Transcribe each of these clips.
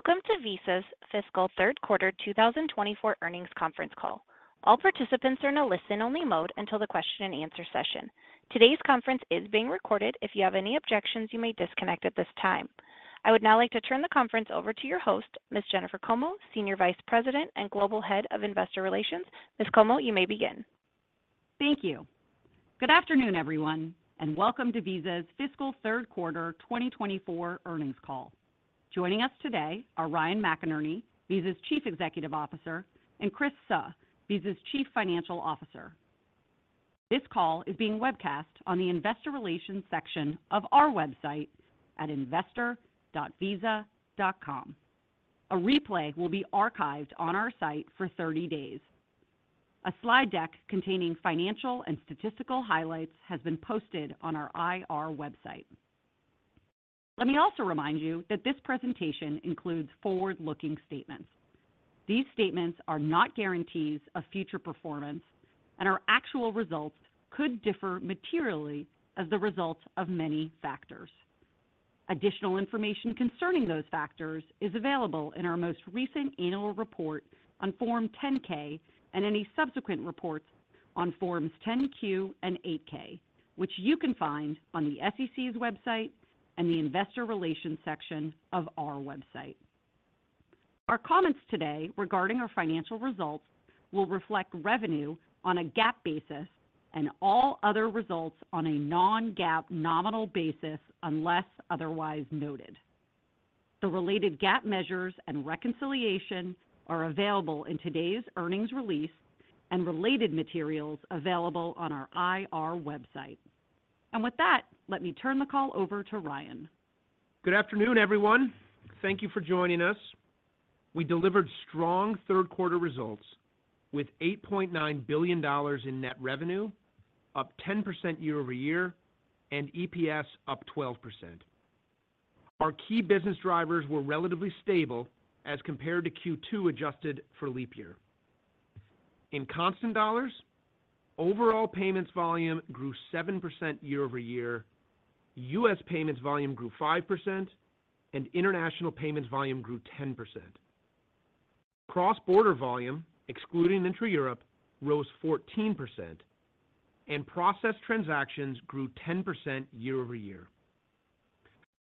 Welcome to Visa's fiscal third quarter 2024 earnings conference call. All participants are in a listen-only mode until the question-and-answer session. Today's conference is being recorded. If you have any objections, you may disconnect at this time. I would now like to turn the conference over to your host, Ms. Jennifer Como, Senior Vice President and Global Head of Investor Relations. Ms. Como, you may begin. Thank you. Good afternoon, everyone, and welcome to Visa's fiscal third quarter 2024 earnings call. Joining us today are Ryan McInerney, Visa's Chief Executive Officer, and Chris Suh, Visa's Chief Financial Officer. This call is being webcast on the investor relations section of our website at investor.visa.com. A replay will be archived on our site for 30 days. A slide deck containing financial and statistical highlights has been posted on our IR website. Let me also remind you that this presentation includes forward-looking statements. These statements are not guarantees of future performance, and our actual results could differ materially as the result of many factors. Additional information concerning those factors is available in our most recent annual report on Form 10-K and any subsequent reports on Forms 10-Q and 8-K, which you can find on the SEC's website and the investor relations section of our website. Our comments today regarding our financial results will reflect revenue on a GAAP basis and all other results on a non-GAAP nominal basis unless otherwise noted. The related GAAP measures and reconciliation are available in today's earnings release and related materials available on our IR website. With that, let me turn the call over to Ryan. Good afternoon, everyone. Thank you for joining us. We delivered strong third quarter results with $8.9 billion in net revenue, up 10% year-over-year, and EPS up 12%. Our key business drivers were relatively stable as compared to Q2 adjusted for leap year. In constant dollars, overall payments volume grew 7% year-over-year, U.S. payments volume grew 5%, and international payments volume grew 10%. Cross-border volume, excluding intra-Europe, rose 14%, and processed transactions grew 10% year-over-year.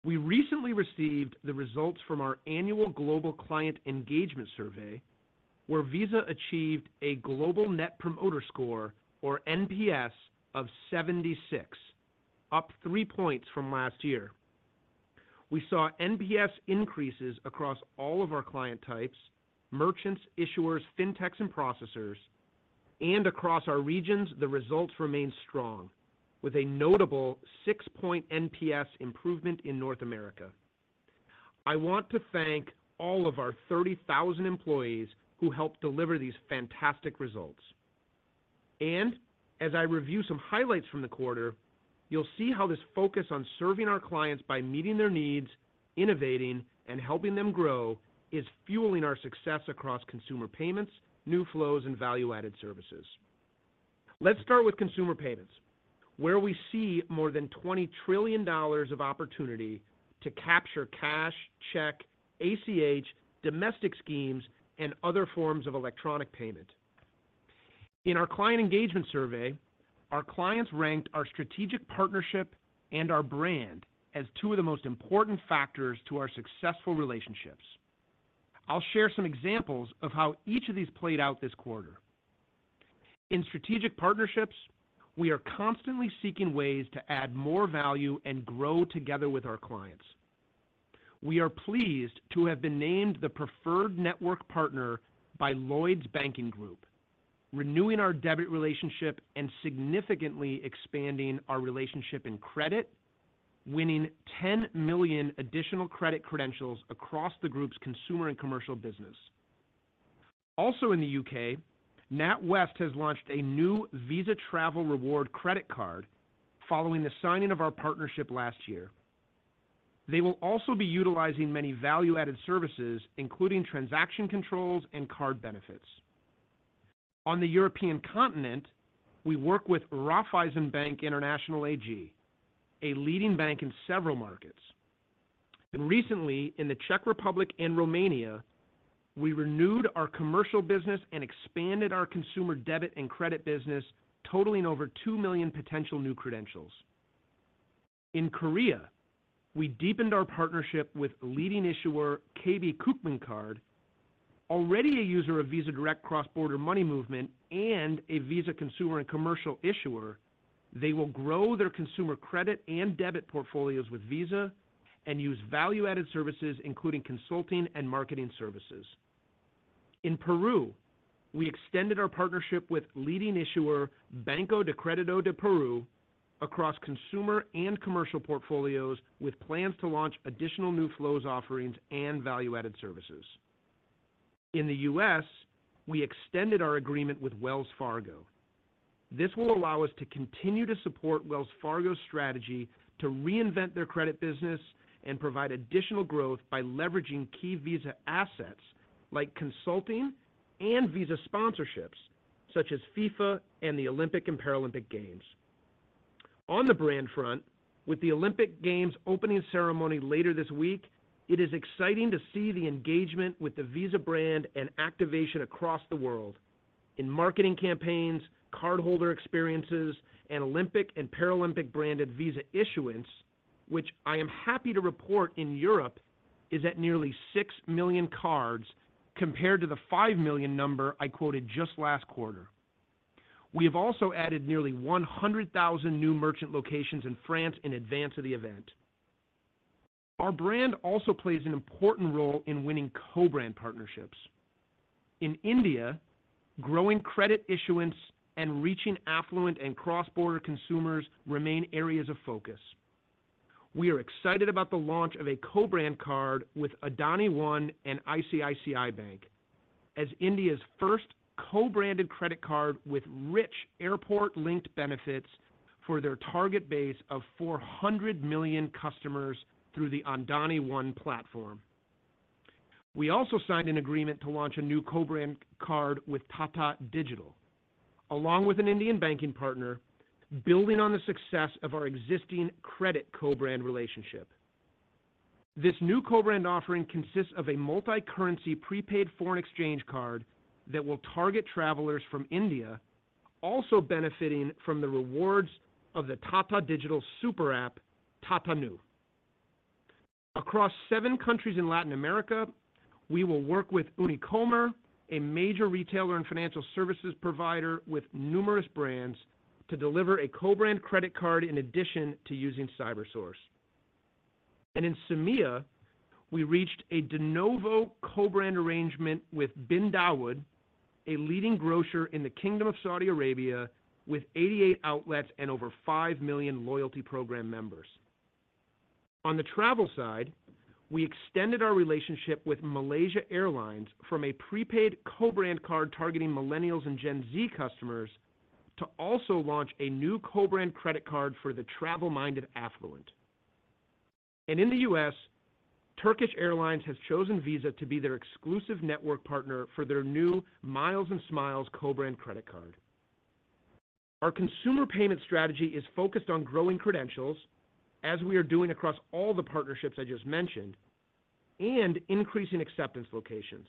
We recently received the results from our annual Global Client Engagement Survey, where Visa achieved a Global Net Promoter Score, or NPS, of 76, up 3 points from last year. We saw NPS increases across all of our client types: merchants, issuers, fintechs, and processors. Across our regions, the results remained strong, with a notable 6 point NPS improvement in North America. I want to thank all of our 30,000 employees who helped deliver these fantastic results. As I review some highlights from the quarter, you'll see how this focus on serving our clients by meeting their needs, innovating, and helping them grow is fueling our success across consumer payments, new flows, and value-added services. Let's start with consumer payments, where we see more than $20 trillion of opportunity to capture cash, check, ACH, domestic schemes, and other forms of electronic payment. In our client engagement survey, our clients ranked our strategic partnership and our brand as two of the most important factors to our successful relationships. I'll share some examples of how each of these played out this quarter. In strategic partnerships, we are constantly seeking ways to add more value and grow together with our clients. We are pleased to have been named the preferred network partner by Lloyds Banking Group, renewing our debit relationship and significantly expanding our relationship in credit, winning 10 million additional credit credentials across the group's consumer and commercial business. Also in the U.K., NatWest has launched a new Visa Travel Reward credit card following the signing of our partnership last year. They will also be utilizing many value-added services, including transaction controls and card benefits. On the European continent, we work with Raiffeisen Bank International AG, a leading bank in several markets. Recently, in the Czech Republic and Romania, we renewed our commercial business and expanded our consumer debit and credit business, totaling over 2 million potential new credentials. In Korea, we deepened our partnership with leading issuer KB Kookmin Card, already a user of Visa Direct cross-border money movement and a Visa consumer and commercial issuer. They will grow their consumer credit and debit portfolios with Visa and use value-added services, including consulting and marketing services. In Peru, we extended our partnership with leading issuer Banco de Crédito del Perú across consumer and commercial portfolios, with plans to launch additional new flows offerings and value-added services. In the U.S., we extended our agreement with Wells Fargo. This will allow us to continue to support Wells Fargo's strategy to reinvent their credit business and provide additional growth by leveraging key Visa assets like consulting and Visa sponsorships, such as FIFA and the Olympic and Paralympic Games. On the brand front, with the Olympic Games opening ceremony later this week, it is exciting to see the engagement with the Visa brand and activation across the world in marketing campaigns, cardholder experiences, and Olympic and Paralympic branded Visa issuance, which I am happy to report in Europe is at nearly 6 million cards compared to the 5 million number I quoted just last quarter. We have also added nearly 100,000 new merchant locations in France in advance of the event. Our brand also plays an important role in winning co-brand partnerships. In India, growing credit issuance and reaching affluent and cross-border consumers remain areas of focus. We are excited about the launch of a co-brand card with Adani One and ICICI Bank as India's first co-branded credit card with rich airport-linked benefits for their target base of 400 million customers through the Adani One platform. We also signed an agreement to launch a new co-brand card with Tata Digital, along with an Indian banking partner, building on the success of our existing credit co-brand relationship. This new co-brand offering consists of a multi-currency prepaid foreign exchange card that will target travelers from India, also benefiting from the rewards of the Tata Digital super app, Tata Neu. Across seven countries in Latin America, we will work with Unicomer, a major retailer and financial services provider with numerous brands, to deliver a co-brand credit card in addition to using CyberSource. In CEMEA, we reached a de novo co-brand arrangement with BinDawood, a leading grocer in the Kingdom of Saudi Arabia, with 88 outlets and over five million loyalty program members. On the travel side, we extended our relationship with Malaysia Airlines from a prepaid co-brand card targeting millennials and Gen Z customers to also launch a new co-brand credit card for the travel-minded affluent. And in the U.S., Turkish Airlines has chosen Visa to be their exclusive network partner for their new Miles&Smiles co-brand credit card. Our consumer payment strategy is focused on growing credentials, as we are doing across all the partnerships I just mentioned, and increasing acceptance locations.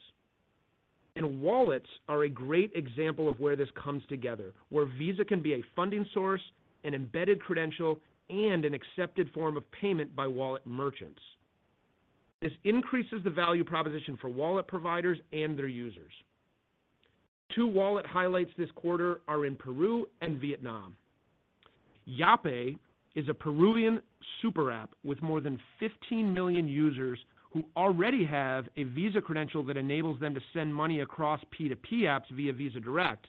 And wallets are a great example of where this comes together, where Visa can be a funding source, an embedded credential, and an accepted form of payment by wallet merchants. This increases the value proposition for wallet providers and their users. Two wallet highlights this quarter are in Peru and Vietnam. Yape is a Peruvian super app with more than 15 million users who already have a Visa credential that enables them to send money across P2P apps via Visa Direct.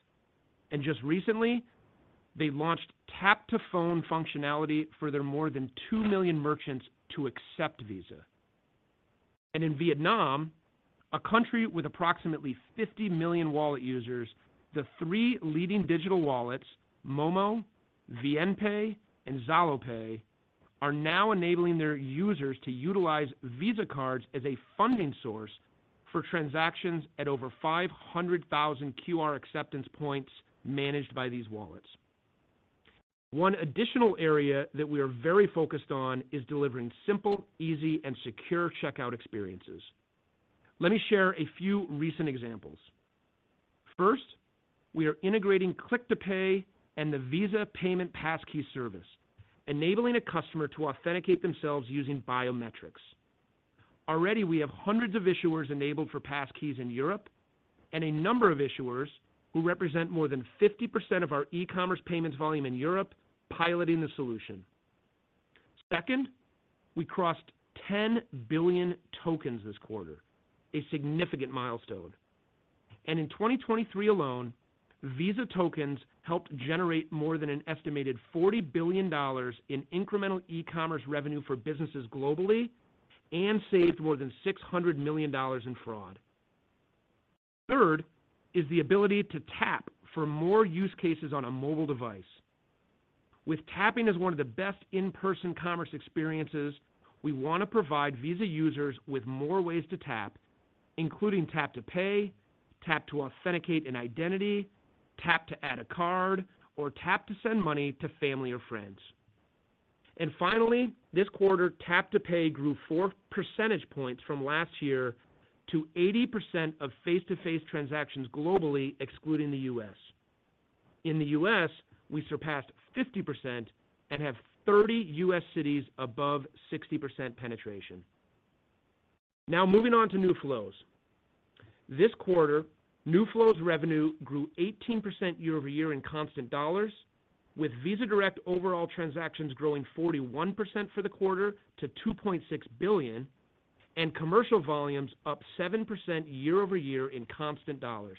Just recently, they launched Tap to Phone functionality for their more than 2 million merchants to accept Visa. In Vietnam, a country with approximately 50 million wallet users, the three leading digital wallets, MoMo, VNPAY, and ZaloPay, are now enabling their users to utilize Visa cards as a funding source for transactions at over 500,000 QR acceptance points managed by these wallets. One additional area that we are very focused on is delivering simple, easy, and secure checkout experiences. Let me share a few recent examples. First, we are integrating Click to Pay and the Visa Payment Passkey service, enabling a customer to authenticate themselves using biometrics. Already, we have hundreds of issuers enabled for passkeys in Europe and a number of issuers who represent more than 50% of our e-commerce payments volume in Europe piloting the solution. Second, we crossed 10 billion tokens this quarter, a significant milestone. In 2023 alone, Visa tokens helped generate more than an estimated $40 billion in incremental e-commerce revenue for businesses globally and saved more than $600 million in fraud. Third is the ability to tap for more use cases on a mobile device. With tapping as one of the best in-person commerce experiences, we want to provide Visa users with more ways to tap, including tap-to-pay, tap-to-authenticate an identity, tap-to-add a card, or tap-to-send money to family or friends. Finally, this quarter, tap-to-pay grew 4 percentage points from last year to 80% of face-to-face transactions globally, excluding the U.S. In the U.S., we surpassed 50% and have 30 U.S. cities above 60% penetration. Now, moving on to new flows. This quarter, new flows revenue grew 18% year-over-year in constant dollars, with Visa Direct overall transactions growing 41% for the quarter to 2.6 billion and commercial volumes up 7% year-over-year in constant dollars.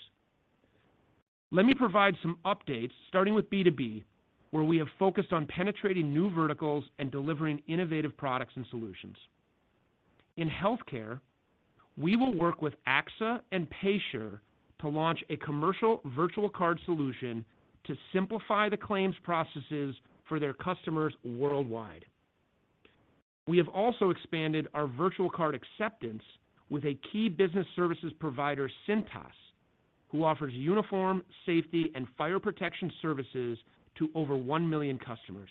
Let me provide some updates, starting with B2B, where we have focused on penetrating new verticals and delivering innovative products and solutions. In healthcare, we will work with AXA and PayShield to launch a commercial virtual card solution to simplify the claims processes for their customers worldwide. We have also expanded our virtual card acceptance with a key business services provider, Cintas, who offers uniform, safety, and fire protection services to over 1 million customers.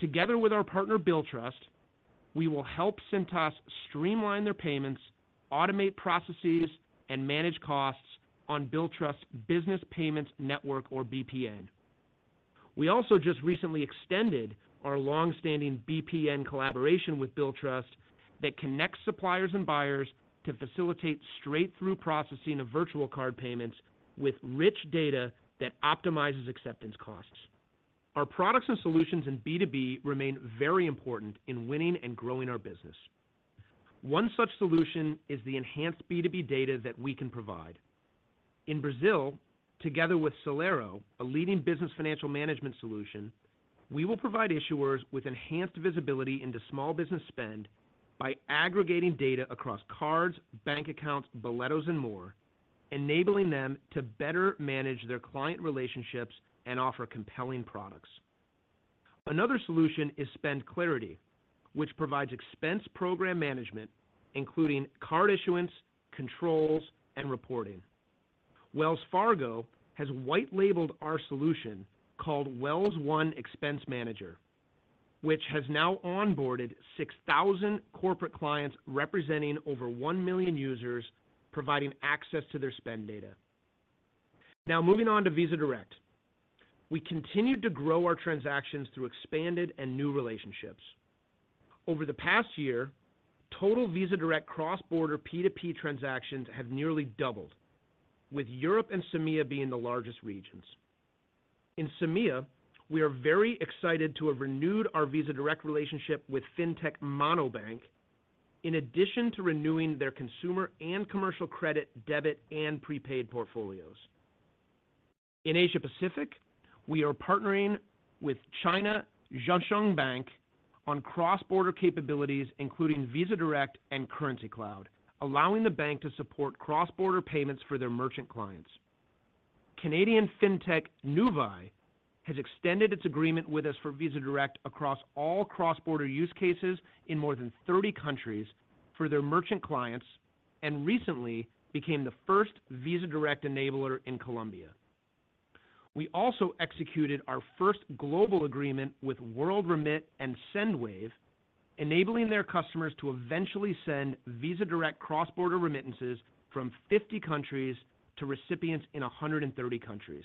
Together with our partner, Billtrust, we will help Cintas streamline their payments, automate processes, and manage costs on Billtrust's Business Payments Network, or BPN. We also just recently extended our long-standing BPN collaboration with Billtrust that connects suppliers and buyers to facilitate straight-through processing of virtual card payments with rich data that optimizes acceptance costs. Our products and solutions in B2B remain very important in winning and growing our business. One such solution is the enhanced B2B data that we can provide. In Brazil, together with Celero, a leading business financial management solution, we will provide issuers with enhanced visibility into small business spend by aggregating data across cards, bank accounts, boletos, and more, enabling them to better manage their client relationships and offer compelling products. Another solution is Spend Clarity, which provides expense program management, including card issuance, controls, and reporting. Wells Fargo has white-labeled our solution called WellsOne Expense Manager, which has now onboarded 6,000 corporate clients representing over 1 million users, providing access to their spend data. Now, moving on to Visa Direct. We continue to grow our transactions through expanded and new relationships. Over the past year, total Visa Direct cross-border P2P transactions have nearly doubled, with Europe and CEMEA being the largest regions. In CEMEA, we are very excited to have renewed our Visa Direct relationship with fintech monobank, in addition to renewing their consumer and commercial credit, debit, and prepaid portfolios. In Asia-Pacific, we are partnering with China Zheshang Bank on cross-border capabilities, including Visa Direct and Currencycloud, allowing the bank to support cross-border payments for their merchant clients. Canadian fintech Nuvei has extended its agreement with us for Visa Direct across all cross-border use cases in more than 30 countries for their merchant clients and recently became the first Visa Direct enabler in Colombia. We also executed our first global agreement with WorldRemit and Sendwave, enabling their customers to eventually send Visa Direct cross-border remittances from 50 countries to recipients in 130 countries.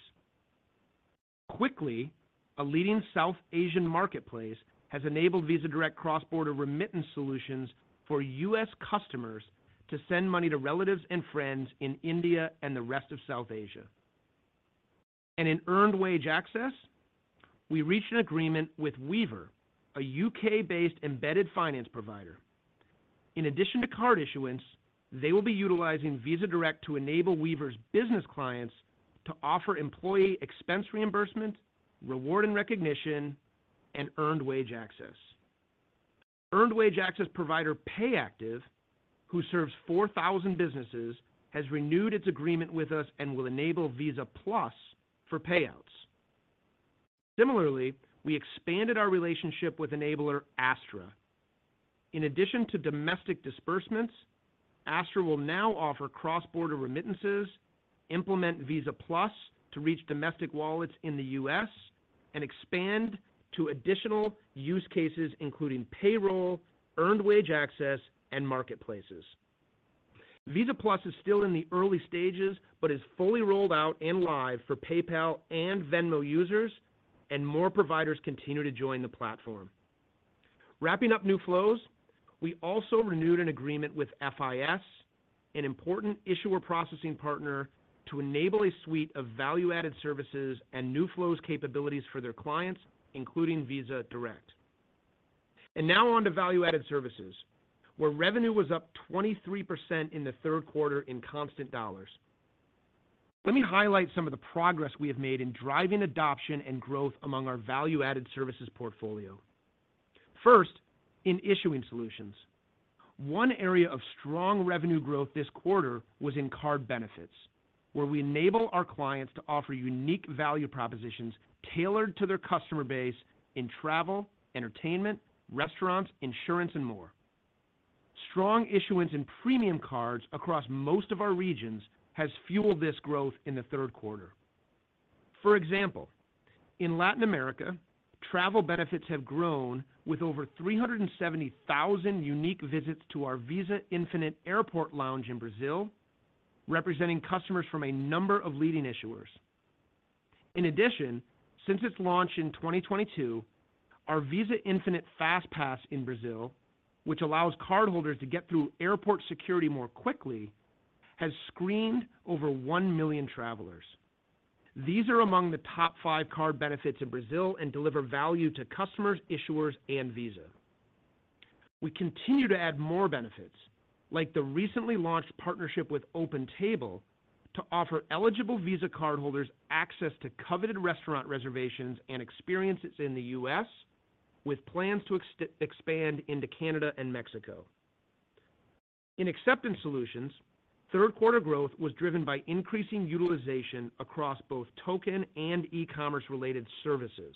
Quicklly, a leading South Asian marketplace, has enabled Visa Direct cross-border remittance solutions for U.S. customers to send money to relatives and friends in India and the rest of South Asia. And in earned wage access, we reached an agreement with Weavr, a U.K.-based embedded finance provider. In addition to card issuance, they will be utilizing Visa Direct to enable Weavr's business clients to offer employee expense reimbursement, reward and recognition, and earned wage access. Earned wage access provider Payactiv, who serves 4,000 businesses, has renewed its agreement with us and will enable Visa Plus for payouts. Similarly, we expanded our relationship with enabler Astra. In addition to domestic disbursements, Astra will now offer cross-border remittances, implement Visa Plus to reach domestic wallets in the U.S., and expand to additional use cases, including payroll, earned wage access, and marketplaces. Visa Plus is still in the early stages but is fully rolled out and live for PayPal and Venmo users, and more providers continue to join the platform. Wrapping up new flows, we also renewed an agreement with FIS, an important issuer processing partner, to enable a suite of value-added services and new flows capabilities for their clients, including Visa Direct. And now on to value-added services, where revenue was up 23% in the third quarter in constant dollars. Let me highlight some of the progress we have made in driving adoption and growth among our value-added services portfolio. First, in issuing solutions, one area of strong revenue growth this quarter was in card benefits, where we enable our clients to offer unique value propositions tailored to their customer base in travel, entertainment, restaurants, insurance, and more. Strong issuance in premium cards across most of our regions has fueled this growth in the third quarter. For example, in Latin America, travel benefits have grown with over 370,000 unique visits to our Visa Infinite airport lounge in Brazil, representing customers from a number of leading issuers. In addition, since its launch in 2022, our Visa Infinite Fast Pass in Brazil, which allows cardholders to get through airport security more quickly, has screened over 1,000,000 travelers. These are among the top five card benefits in Brazil and deliver value to customers, issuers, and Visa. We continue to add more benefits, like the recently launched partnership with OpenTable, to offer eligible Visa cardholders access to coveted restaurant reservations and experiences in the U.S., with plans to expand into Canada and Mexico. In acceptance solutions, third-quarter growth was driven by increasing utilization across both token and e-commerce-related services.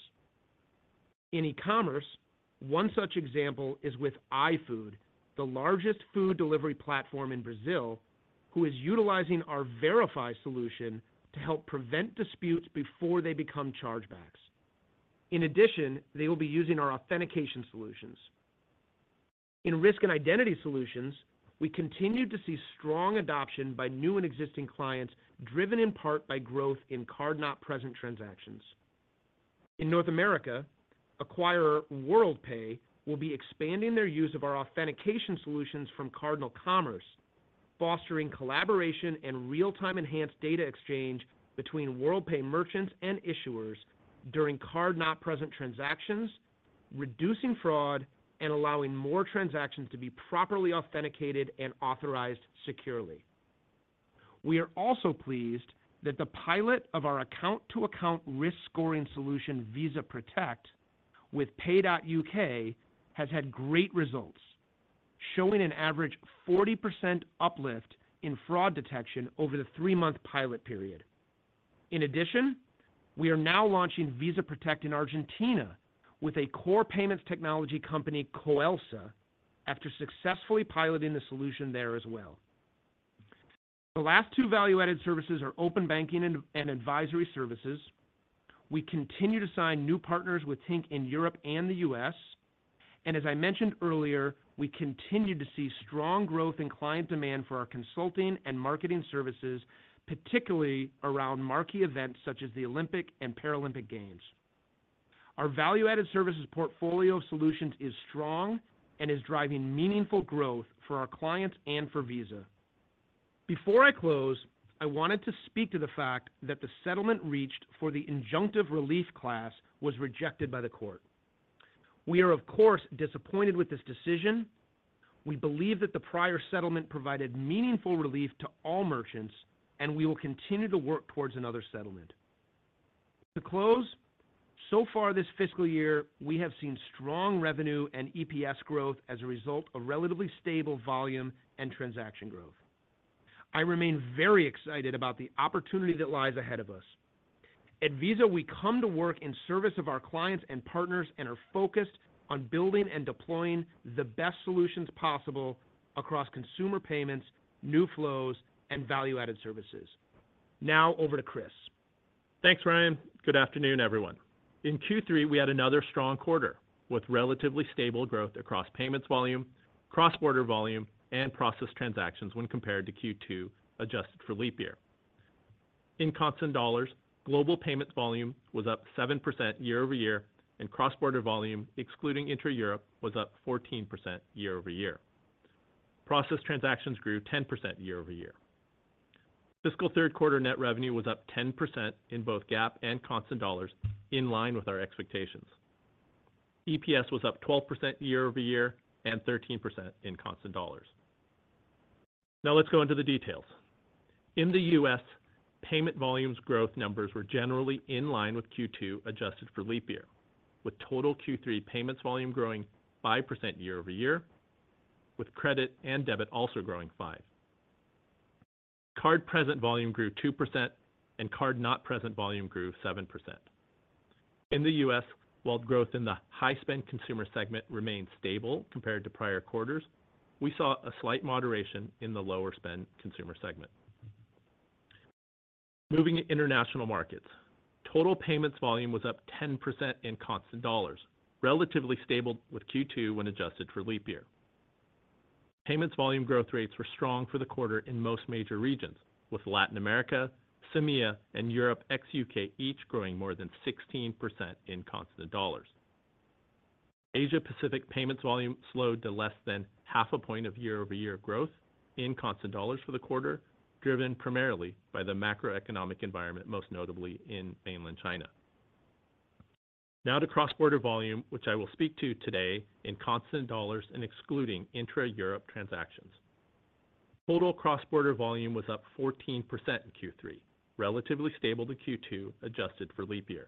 In e-commerce, one such example is with iFood, the largest food delivery platform in Brazil, who is utilizing our Verifi solution to help prevent disputes before they become chargebacks. In addition, they will be using our authentication solutions. In risk and identity solutions, we continue to see strong adoption by new and existing clients, driven in part by growth in card-not-present transactions. In North America, acquirer Worldpay will be expanding their use of our authentication solutions from CardinalCommerce, fostering collaboration and real-time enhanced data exchange between Worldpay merchants and issuers during card-not-present transactions, reducing fraud and allowing more transactions to be properly authenticated and authorized securely. We are also pleased that the pilot of our account-to-account risk scoring solution, Visa Protect, with Pay.UK has had great results, showing an average 40% uplift in fraud detection over the three-month pilot period. In addition, we are now launching Visa Protect in Argentina with a core payments technology company, COELSA, after successfully piloting the solution there as well. The last two value-added services are open banking and advisory services. We continue to sign new partners with Tink in Europe and the U.S. As I mentioned earlier, we continue to see strong growth in client demand for our consulting and marketing services, particularly around marquee events such as the Olympic and Paralympic Games. Our value-added services portfolio of solutions is strong and is driving meaningful growth for our clients and for Visa. Before I close, I wanted to speak to the fact that the settlement reached for the injunctive relief class was rejected by the court. We are, of course, disappointed with this decision. We believe that the prior settlement provided meaningful relief to all merchants, and we will continue to work towards another settlement. To close, so far this fiscal year, we have seen strong revenue and EPS growth as a result of relatively stable volume and transaction growth. I remain very excited about the opportunity that lies ahead of us. At Visa, we come to work in service of our clients and partners and are focused on building and deploying the best solutions possible across consumer payments, new flows, and value-added services. Now, over to Chris. Thanks, Ryan. Good afternoon, everyone. In Q3, we had another strong quarter with relatively stable growth across payments volume, cross-border volume, and process transactions when compared to Q2 adjusted for leap year. In constant dollars, global payment volume was up 7% year-over-year, and cross-border volume, excluding intra-Europe, was up 14% year-over-year. Process transactions grew 10% year-over-year. Fiscal third-quarter net revenue was up 10% in both GAAP and constant dollars, in line with our expectations. EPS was up 12% year-over-year and 13% in constant dollars. Now, let's go into the details. In the U.S., payment volumes growth numbers were generally in line with Q2 adjusted for leap year, with total Q3 payments volume growing 5% year-over-year, with credit and debit also growing 5%. Card-present volume grew 2%, and card-not-present volume grew 7%. In the U.S., while growth in the high-spend consumer segment remained stable compared to prior quarters, we saw a slight moderation in the lower-spend consumer segment. Moving to international markets, total payments volume was up 10% in constant dollars, relatively stable with Q2 when adjusted for leap year. Payments volume growth rates were strong for the quarter in most major regions, with Latin America, CEMEA, and Europe ex U.K. each growing more than 16% in constant dollars. Asia-Pacific payments volume slowed to less than half a point of year-over-year growth in constant dollars for the quarter, driven primarily by the macroeconomic environment, most notably in mainland China. Now to cross-border volume, which I will speak to today in constant dollars and excluding intra-Europe transactions. Total cross-border volume was up 14% in Q3, relatively stable to Q2 adjusted for leap year.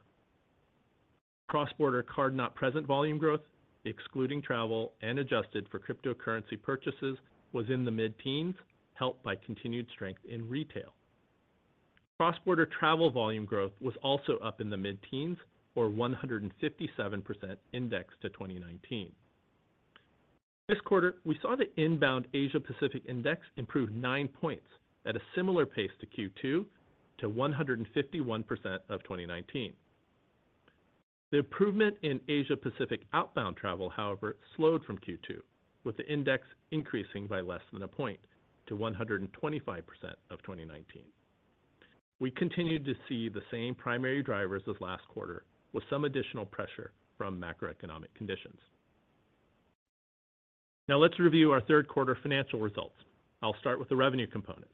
Cross-border card-not-present volume growth, excluding travel and adjusted for cryptocurrency purchases, was in the mid-teens, helped by continued strength in retail. Cross-border travel volume growth was also up in the mid-teens, or 157% indexed to 2019. This quarter, we saw the inbound Asia-Pacific index improve 9 points at a similar pace to Q2, to 151% of 2019. The improvement in Asia-Pacific outbound travel, however, slowed from Q2, with the index increasing by less than a point to 125% of 2019. We continue to see the same primary drivers as last quarter, with some additional pressure from macroeconomic conditions. Now, let's review our third-quarter financial results. I'll start with the revenue components.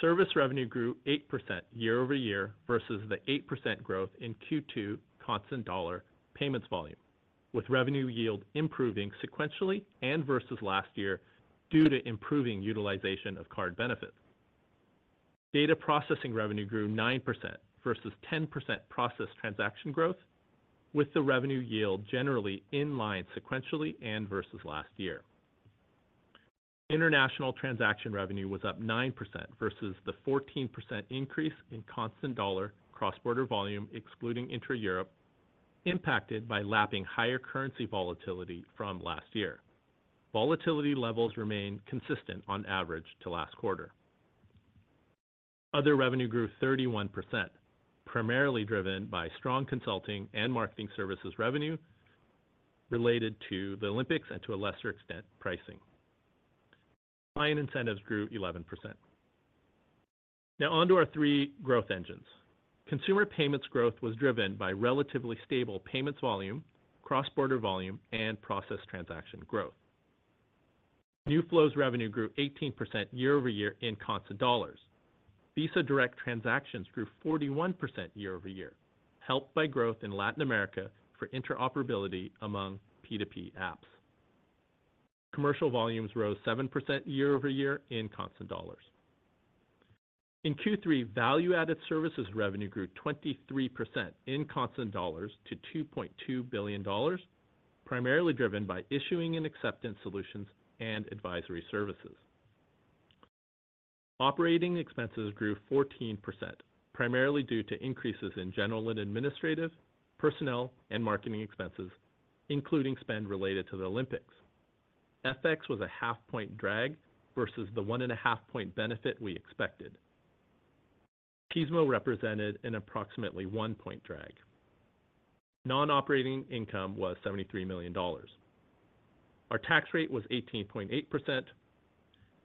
Service revenue grew 8% year-over-year versus the 8% growth in Q2 constant dollar payments volume, with revenue yield improving sequentially and versus last year due to improving utilization of card benefits. Data processing revenue grew 9% versus 10% process transaction growth, with the revenue yield generally in line sequentially and versus last year. International transaction revenue was up 9% versus the 14% increase in constant dollar cross-border volume, excluding intra-Europe, impacted by lapping higher currency volatility from last year. Volatility levels remained consistent on average to last quarter. Other revenue grew 31%, primarily driven by strong consulting and marketing services revenue related to the Olympics and, to a lesser extent, pricing. Client incentives grew 11%. Now, on to our three growth engines. Consumer payments growth was driven by relatively stable payments volume, cross-border volume, and process transaction growth. New flows revenue grew 18% year-over-year in constant dollars. Visa Direct transactions grew 41% year-over-year, helped by growth in Latin America for interoperability among P2P apps. Commercial volumes rose 7% year-over-year in constant dollars. In Q3, value-added services revenue grew 23% in constant dollars to $2.2 billion, primarily driven by issuing and acceptance solutions and advisory services. Operating expenses grew 14%, primarily due to increases in general and administrative, personnel, and marketing expenses, including spend related to the Olympics. FX was a 0.5 point drag versus the 1.5 point benefit we expected. Pismo represented an approximately 1 point drag. Non-operating income was $73 million. Our tax rate was 18.8%,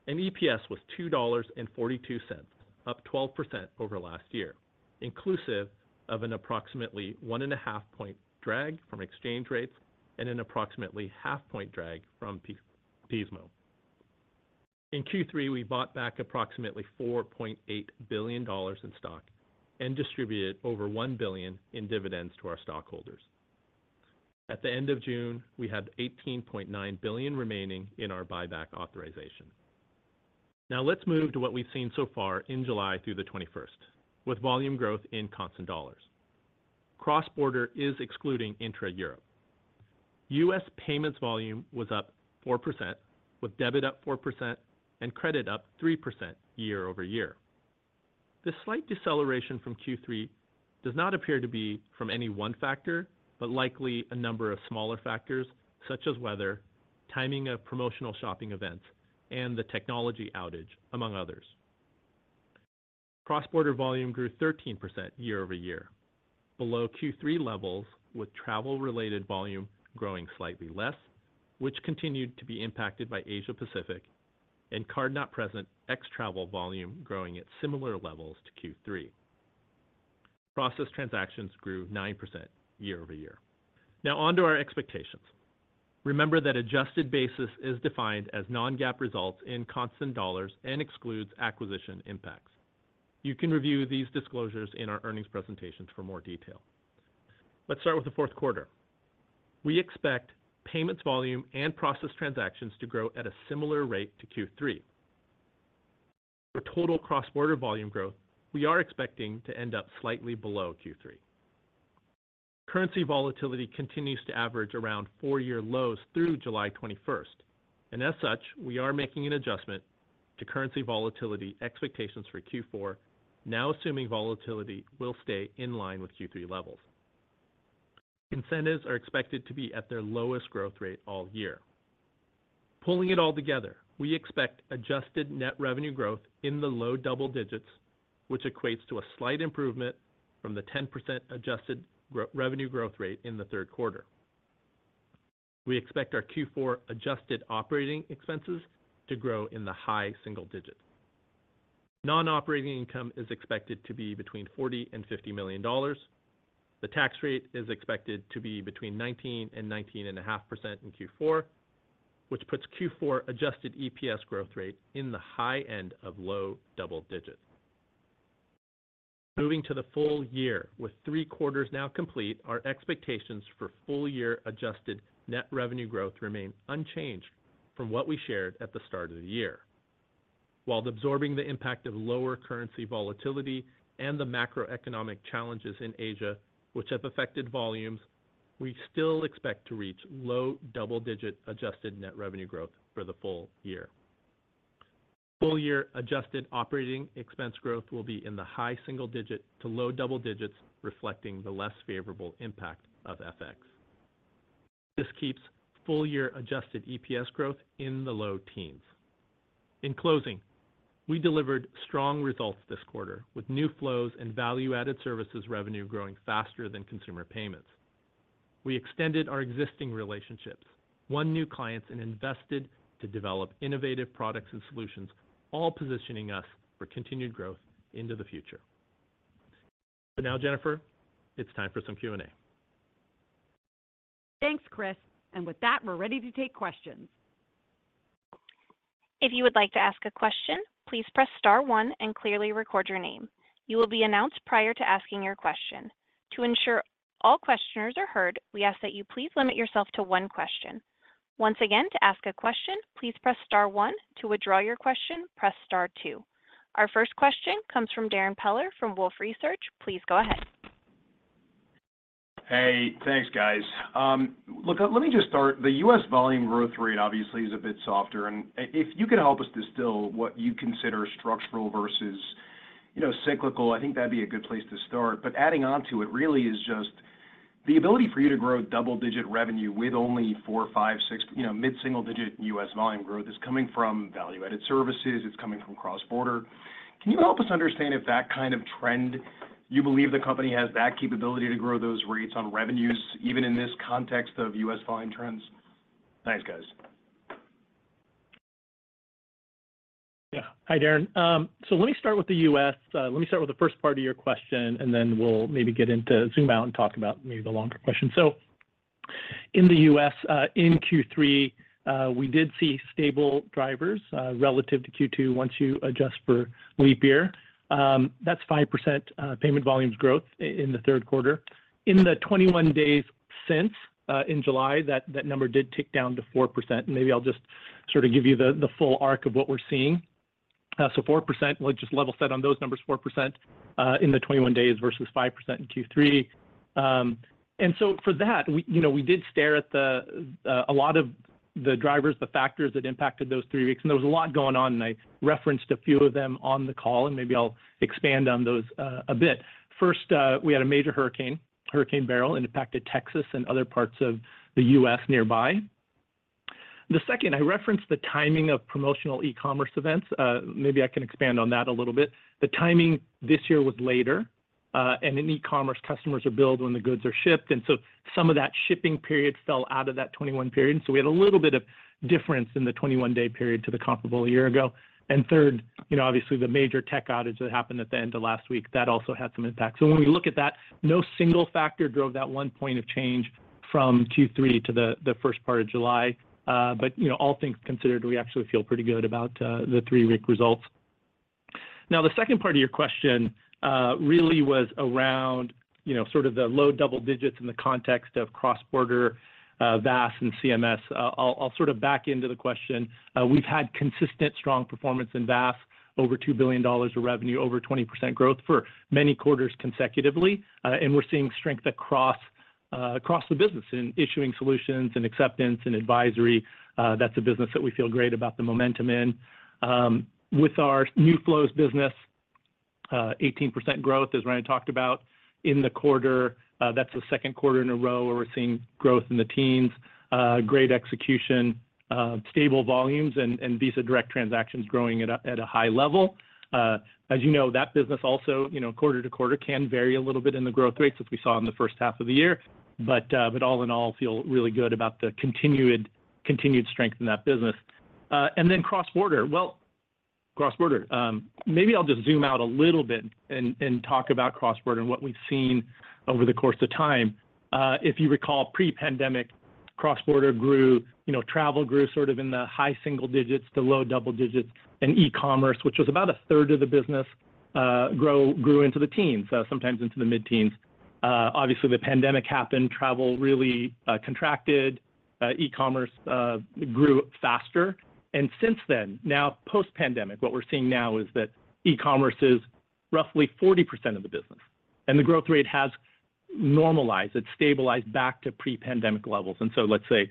and EPS was $2.42, up 12% over last year, inclusive of an approximately 1.5 point drag from exchange rates and an approximately 0.5 point drag from Pismo. In Q3, we bought back approximately $4.8 billion in stock and distributed over $1 billion in dividends to our stockholders. At the end of June, we had $18.9 billion remaining in our buyback authorization. Now, let's move to what we've seen so far in July through the 21st, with volume growth in constant dollars. Cross-border is excluding intra-Europe. US payments volume was up 4%, with debit up 4% and credit up 3% year-over-year. This slight deceleration from Q3 does not appear to be from any one factor, but likely a number of smaller factors such as weather, timing of promotional shopping events, and the technology outage, among others. Cross-border volume grew 13% year-over-year, below Q3 levels, with travel-related volume growing slightly less, which continued to be impacted by Asia-Pacific and card-not-present ex travel volume growing at similar levels to Q3. Processed transactions grew 9% year-over-year. Now, on to our expectations. Remember that adjusted basis is defined as non-GAAP results in constant dollars and excludes acquisition impacts. You can review these disclosures in our earnings presentations for more detail. Let's start with the fourth quarter. We expect payments volume and processed transactions to grow at a similar rate to Q3. For total cross-border volume growth, we are expecting to end up slightly below Q3. Currency volatility continues to average around four-year lows through July 21st. And as such, we are making an adjustment to currency volatility expectations for Q4, now assuming volatility will stay in line with Q3 levels. Incentives are expected to be at their lowest growth rate all year. Pulling it all together, we expect adjusted net revenue growth in the low double digits, which equates to a slight improvement from the 10% adjusted revenue growth rate in the third quarter. We expect our Q4 adjusted operating expenses to grow in the high single digit. Non-operating income is expected to be between $40 million and $50 million. The tax rate is expected to be between 19% and 19.5% in Q4, which puts Q4 adjusted EPS growth rate in the high end of low double digits. Moving to the full year, with three quarters now complete, our expectations for full-year adjusted net revenue growth remain unchanged from what we shared at the start of the year. While absorbing the impact of lower currency volatility and the macroeconomic challenges in Asia, which have affected volumes, we still expect to reach low double-digit adjusted net revenue growth for the full year. Full-year adjusted operating expense growth will be in the high single-digit to low double-digit, reflecting the less favorable impact of FX. This keeps full-year adjusted EPS growth in the low teens. In closing, we delivered strong results this quarter, with new flows and value-added services revenue growing faster than consumer payments. We extended our existing relationships, won new clients, and invested to develop innovative products and solutions, all positioning us for continued growth into the future. So now, Jennifer, it's time for some Q&A. Thanks, Chris. With that, we're ready to take questions. If you would like to ask a question, please press star one and clearly record your name. You will be announced prior to asking your question. To ensure all questioners are heard, we ask that you please limit yourself to one question. Once again, to ask a question, please press star one. To withdraw your question, press star two. Our first question comes from Darrin Peller from Wolfe Research. Please go ahead. Hey, thanks, guys. Look, let me just start. The U.S. volume growth rate, obviously, is a bit softer. And if you could help us distill what you consider structural versus cyclical, I think that'd be a good place to start. But adding on to it really is just the ability for you to grow double-digit revenue with only 4, 5, 6, mid-single-digit U.S. volume growth. It's coming from value-added services. It's coming from cross-border. Can you help us understand if that kind of trend, you believe the company has that capability to grow those rates on revenues, even in this context of U.S. volume trends? Thanks, guys. Yeah. Hi, Darrin. So let me start with the U.S. Let me start with the first part of your question, and then we'll maybe get into zoom out and talk about maybe the longer question. So in the U.S., in Q3, we did see stable drivers relative to Q2 once you adjust for leap year. That's 5% payment volumes growth in the third quarter. In the 21 days since, in July, that number did tick down to 4%. And maybe I'll just sort of give you the full arc of what we're seeing. So 4%, let's just level set on those numbers, 4% in the 21 days versus 5% in Q3. And so for that, we did stare at a lot of the drivers, the factors that impacted those three weeks. And there was a lot going on, and I referenced a few of them on the call, and maybe I'll expand on those a bit. First, we had a major hurricane, Hurricane Beryl, and it impacted Texas and other parts of the U.S. nearby. The second, I referenced the timing of promotional e-commerce events. Maybe I can expand on that a little bit. The timing this year was later, and in e-commerce, customers are billed when the goods are shipped. And so some of that shipping period fell out of that 21 period. And so we had a little bit of difference in the 21-day period to the comparable a year ago. And third, obviously, the major tech outage that happened at the end of last week, that also had some impact. So when we look at that, no single factor drove that one point of change from Q3 to the first part of July. But all things considered, we actually feel pretty good about the three-week results. Now, the second part of your question really was around sort of the low double digits in the context of cross-border VAS and CMS. I'll sort of back into the question. We've had consistent strong performance in VAS, over $2 billion of revenue, over 20% growth for many quarters consecutively. And we're seeing strength across the business in issuing solutions and acceptance and advisory. That's a business that we feel great about the momentum in. With our new flows business, 18% growth, as Ryan talked about, in the quarter. That's the second quarter in a row where we're seeing growth in the teens, great execution, stable volumes, and Visa Direct transactions growing at a high level. As you know, that business also, quarter to quarter, can vary a little bit in the growth rates as we saw in the first half of the year. But all in all, I feel really good about the continued strength in that business. And then cross-border, well, cross-border, maybe I'll just zoom out a little bit and talk about cross-border and what we've seen over the course of time. If you recall, pre-pandemic, cross-border grew, travel grew sort of in the high single digits to low double digits, and e-commerce, which was about a third of the business, grew into the teens, sometimes into the mid-teens. Obviously, the pandemic happened, travel really contracted, e-commerce grew faster. And since then, now post-pandemic, what we're seeing now is that e-commerce is roughly 40% of the business. And the growth rate has normalized. It's stabilized back to pre-pandemic levels. And so let's say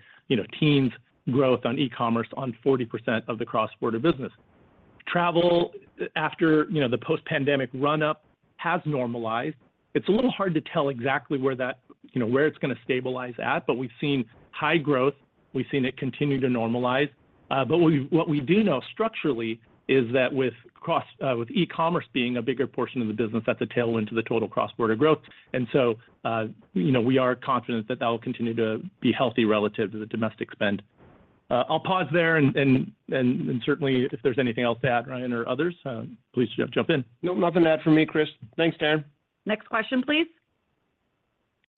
teens growth on e-commerce on 40% of the cross-border business. Travel after the post-pandemic run-up has normalized. It's a little hard to tell exactly where it's going to stabilize at, but we've seen high growth. We've seen it continue to normalize. But what we do know structurally is that with e-commerce being a bigger portion of the business, that's a tailwind to the total cross-border growth. And so we are confident that that will continue to be healthy relative to the domestic spend. I'll pause there. And certainly, if there's anything else to add, Ryan or others, please jump in. Nothing to add for me, Chris. Thanks, Darrin. Next question, please.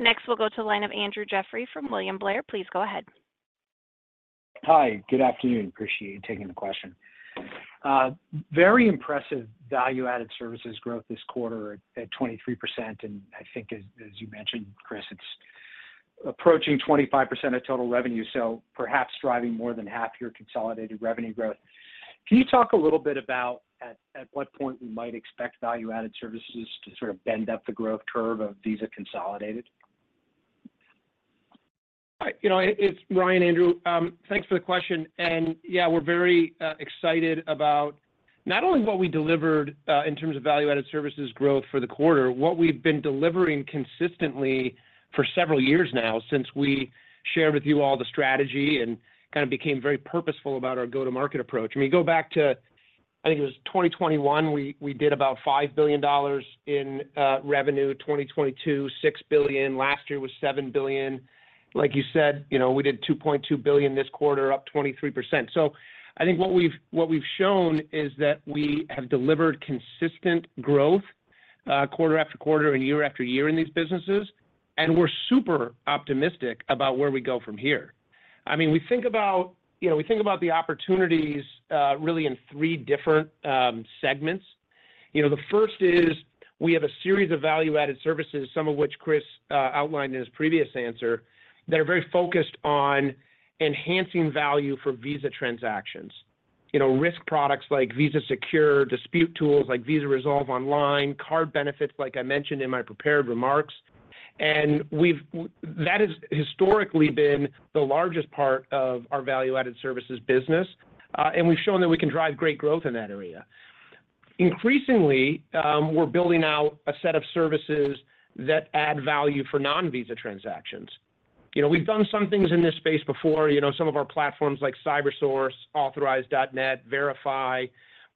Next, we'll go to the line of Andrew Jeffrey from William Blair. Please go ahead. Hi, good afternoon. Appreciate you taking the question. Very impressive value-added services growth this quarter at 23%. And I think, as you mentioned, Chris, it's approaching 25% of total revenue, so perhaps driving more than half your consolidated revenue growth. Can you talk a little bit about at what point we might expect value-added services to sort of bend up the growth curve of Visa consolidated? Right. It's Ryan, Andrew. Thanks for the question. And yeah, we're very excited about not only what we delivered in terms of value-added services growth for the quarter, what we've been delivering consistently for several years now since we shared with you all the strategy and kind of became very purposeful about our go-to-market approach. I mean, go back to, I think it was 2021, we did about $5 billion in revenue, 2022, $6 billion. Last year was $7 billion. Like you said, we did $2.2 billion this quarter, up 23%. So I think what we've shown is that we have delivered consistent growth quarter after quarter and year after year in these businesses. And we're super optimistic about where we go from here. I mean, we think about the opportunities really in three different segments. The first is we have a series of value-added services, some of which Chris outlined in his previous answer, that are very focused on enhancing value for Visa transactions, risk products like Visa Secure, dispute tools like Visa Resolve Online, card benefits, like I mentioned in my prepared remarks. And that has historically been the largest part of our value-added services business. We've shown that we can drive great growth in that area. Increasingly, we're building out a set of services that add value for non-Visa transactions. We've done some things in this space before, some of our platforms like CyberSource, Authorize.net, Verifi.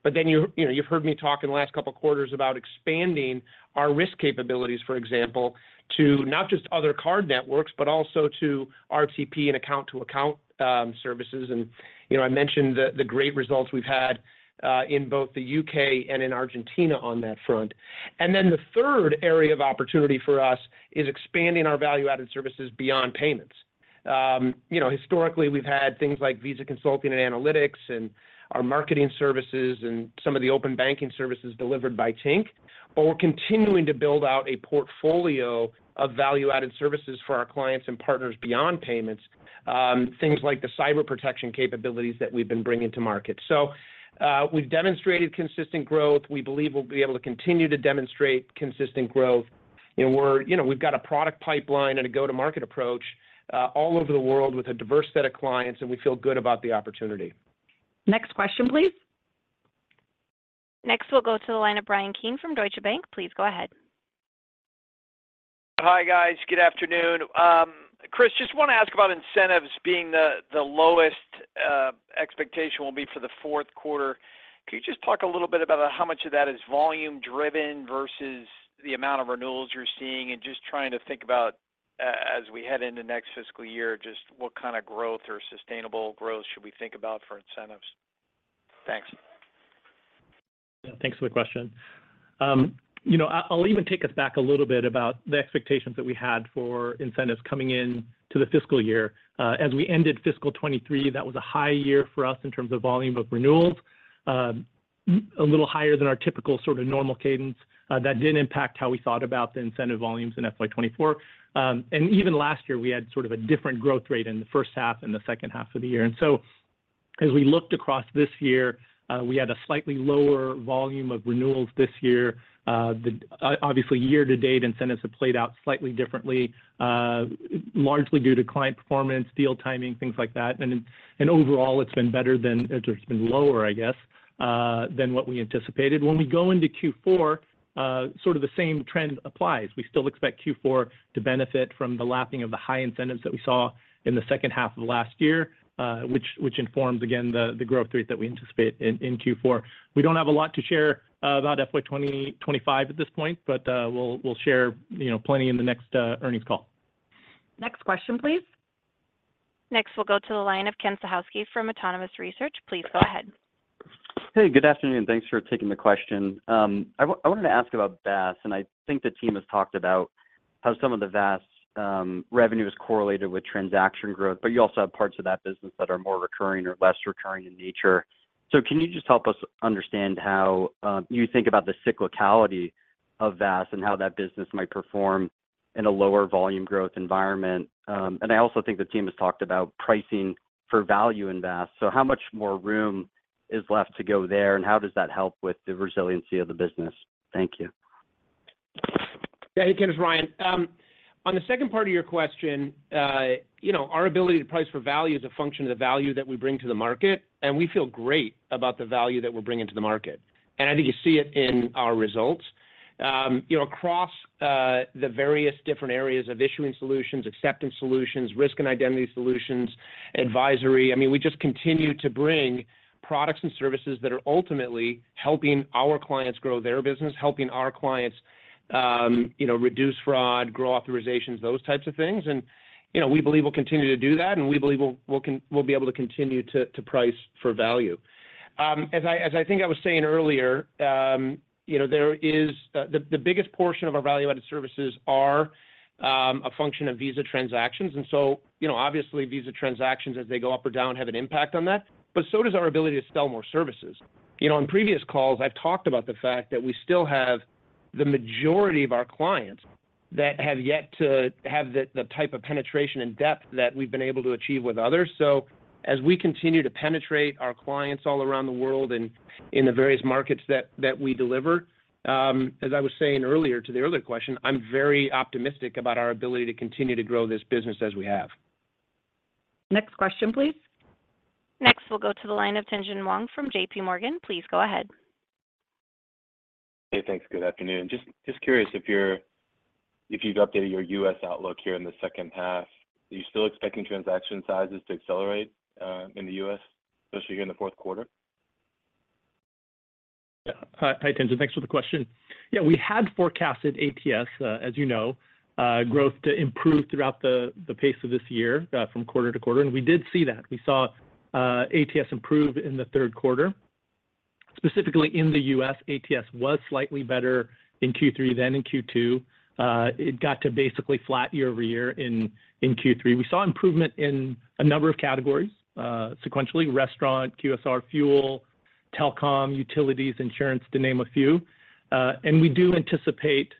But then you've heard me talk in the last couple of quarters about expanding our risk capabilities, for example, to not just other card networks, but also to RTP and account-to-account services. And I mentioned the great results we've had in both the U.K. and in Argentina on that front. And then the third area of opportunity for us is expanding our value-added services beyond payments. Historically, we've had things like Visa Consulting and Analytics and our marketing services and some of the open banking services delivered by Tink. But we're continuing to build out a portfolio of value-added services for our clients and partners beyond payments, things like the cyber protection capabilities that we've been bringing to market. So we've demonstrated consistent growth. We believe we'll be able to continue to demonstrate consistent growth. We've got a product pipeline and a go-to-market approach all over the world with a diverse set of clients, and we feel good about the opportunity. Next question, please. Next, we'll go to the line of Bryan Keane from Deutsche Bank. Please go ahead. Hi, guys. Good afternoon. Chris, just want to ask about incentives being the lowest expectation will be for the fourth quarter. Can you just talk a little bit about how much of that is volume-driven versus the amount of renewals you're seeing? Just trying to think about, as we head into next fiscal year, just what kind of growth or sustainable growth should we think about for incentives? Thanks. Thanks for the question. I'll even take us back a little bit about the expectations that we had for incentives coming into the fiscal year. As we ended fiscal 2023, that was a high year for us in terms of volume of renewals, a little higher than our typical sort of normal cadence. That did impact how we thought about the incentive volumes in FY 2024. And even last year, we had sort of a different growth rate in the first half and the second half of the year. And so as we looked across this year, we had a slightly lower volume of renewals this year. Obviously, year to date, incentives have played out slightly differently, largely due to client performance, deal timing, things like that. And overall, it's been better than it's been lower, I guess, than what we anticipated. When we go into Q4, sort of the same trend applies. We still expect Q4 to benefit from the lapping of the high incentives that we saw in the second half of last year, which informs, again, the growth rate that we anticipate in Q4. We don't have a lot to share about FY 2025 at this point, but we'll share plenty in the next earnings call. Next question, please. Next, we'll go to the line of Ken Suchoski from Autonomous Research. Please go ahead. Hey, good afternoon. Thanks for taking the question. I wanted to ask about VAS, and I think the team has talked about how some of the VAS revenue is correlated with transaction growth, but you also have parts of that business that are more recurring or less recurring in nature. So can you just help us understand how you think about the cyclicality of VAS and how that business might perform in a lower volume growth environment? And I also think the team has talked about pricing for value in VAS. So how much more room is left to go there, and how does that help with the resiliency of the business? Thank you. Yeah, hey, Ken, it's Ryan. On the second part of your question, our ability to price for value is a function of the value that we bring to the market. And we feel great about the value that we're bringing to the market. I think you see it in our results. Across the various different areas of issuing solutions, acceptance solutions, risk and identity solutions, advisory, I mean, we just continue to bring products and services that are ultimately helping our clients grow their business, helping our clients reduce fraud, grow authorizations, those types of things. We believe we'll continue to do that, and we believe we'll be able to continue to price for value. As I think I was saying earlier, the biggest portion of our value-added services are a function of Visa transactions. So obviously, Visa transactions, as they go up or down, have an impact on that. But so does our ability to sell more services. In previous calls, I've talked about the fact that we still have the majority of our clients that have yet to have the type of penetration and depth that we've been able to achieve with others. So as we continue to penetrate our clients all around the world and in the various markets that we deliver, as I was saying earlier to the earlier question, I'm very optimistic about our ability to continue to grow this business as we have. Next question, please. Next, we'll go to the line of Tien-tsin Huang from JPMorgan. Please go ahead. Hey, thanks. Good afternoon. Just curious if you've updated your U.S. outlook here in the second half. Are you still expecting transaction sizes to accelerate in the U.S., especially here in the fourth quarter? Hi, Tien-tsin. Thanks for the question. Yeah, we had forecasted ATS, as you know, growth to improve throughout the pace of this year from quarter to quarter. We did see that. We saw ATS improve in the third quarter. Specifically in the U.S., ATS was slightly better in Q3 than in Q2. It got to basically flat year-over-year in Q3. We saw improvement in a number of categories sequentially: restaurant, QSR fuel, telecom, utilities, insurance, to name a few. We do anticipate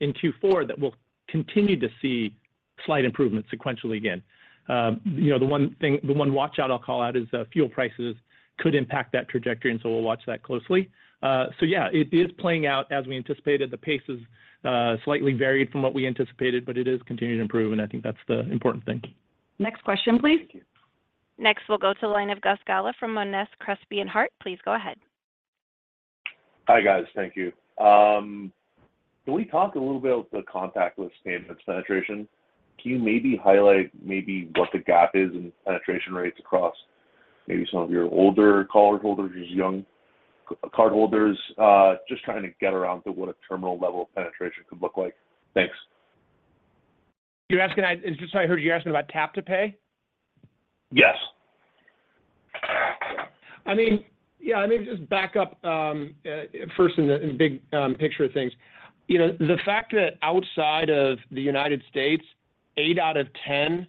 in Q4 that we'll continue to see slight improvement sequentially again. The one watch-out I'll call out is fuel prices could impact that trajectory, and so we'll watch that closely. So yeah, it is playing out as we anticipated. The pace is slightly varied from what we anticipated, but it is continuing to improve, and I think that's the important thing. Next question, please. Next, we'll go to the line of Gus Galá from Monness, Crespi, Hardt. Please go ahead. Hi, guys. Thank you. Can we talk a little bit about the contactless payments penetration? Can you maybe highlight maybe what the gap is in penetration rates across maybe some of your older cardholders or young cardholders, just trying to get around to what a terminal level of penetration could look like? Thanks. You're asking just so I heard you asking about tap-to-pay? Yes. I mean, yeah, let me just back up first in the big picture of things. The fact that outside of the United States, 8 out of 10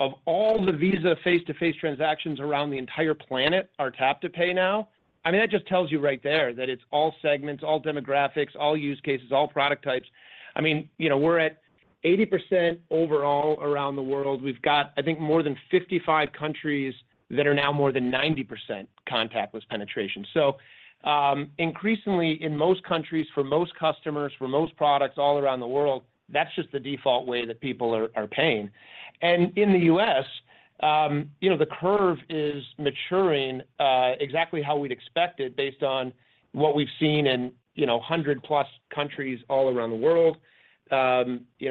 of all the Visa face-to-face transactions around the entire planet are tap-to-pay now, I mean, that just tells you right there that it's all segments, all demographics, all use cases, all product types. I mean, we're at 80% overall around the world. We've got, I think, more than 55 countries that are now more than 90% contactless penetration. So increasingly, in most countries, for most customers, for most products all around the world, that's just the default way that people are paying. And in the U.S., the curve is maturing exactly how we'd expected based on what we've seen in 100+ countries all around the world. As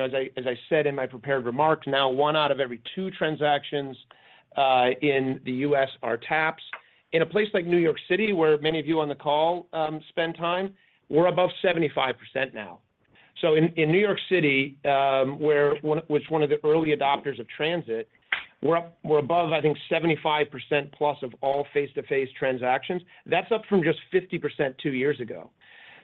I said in my prepared remarks, now one out of every two transactions in the U.S. are taps. In a place like New York City, where many of you on the call spend time, we're above 75% now. So in New York City, which was one of the early adopters of transit, we're above, I think, 75%+ of all face-to-face transactions. That's up from just 50% two years ago.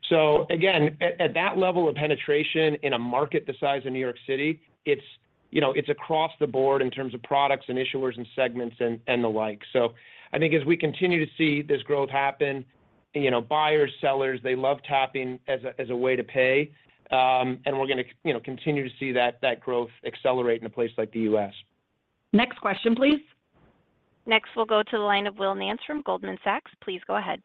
So again, at that level of penetration in a market the size of New York City, it's across the board in terms of products and issuers and segments and the like. So I think as we continue to see this growth happen, buyers, sellers, they love tapping as a way to pay. And we're going to continue to see that growth accelerate in a place like the U.S. Next question, please. Next, we'll go to the line of Will Nance from Goldman Sachs. Please go ahead.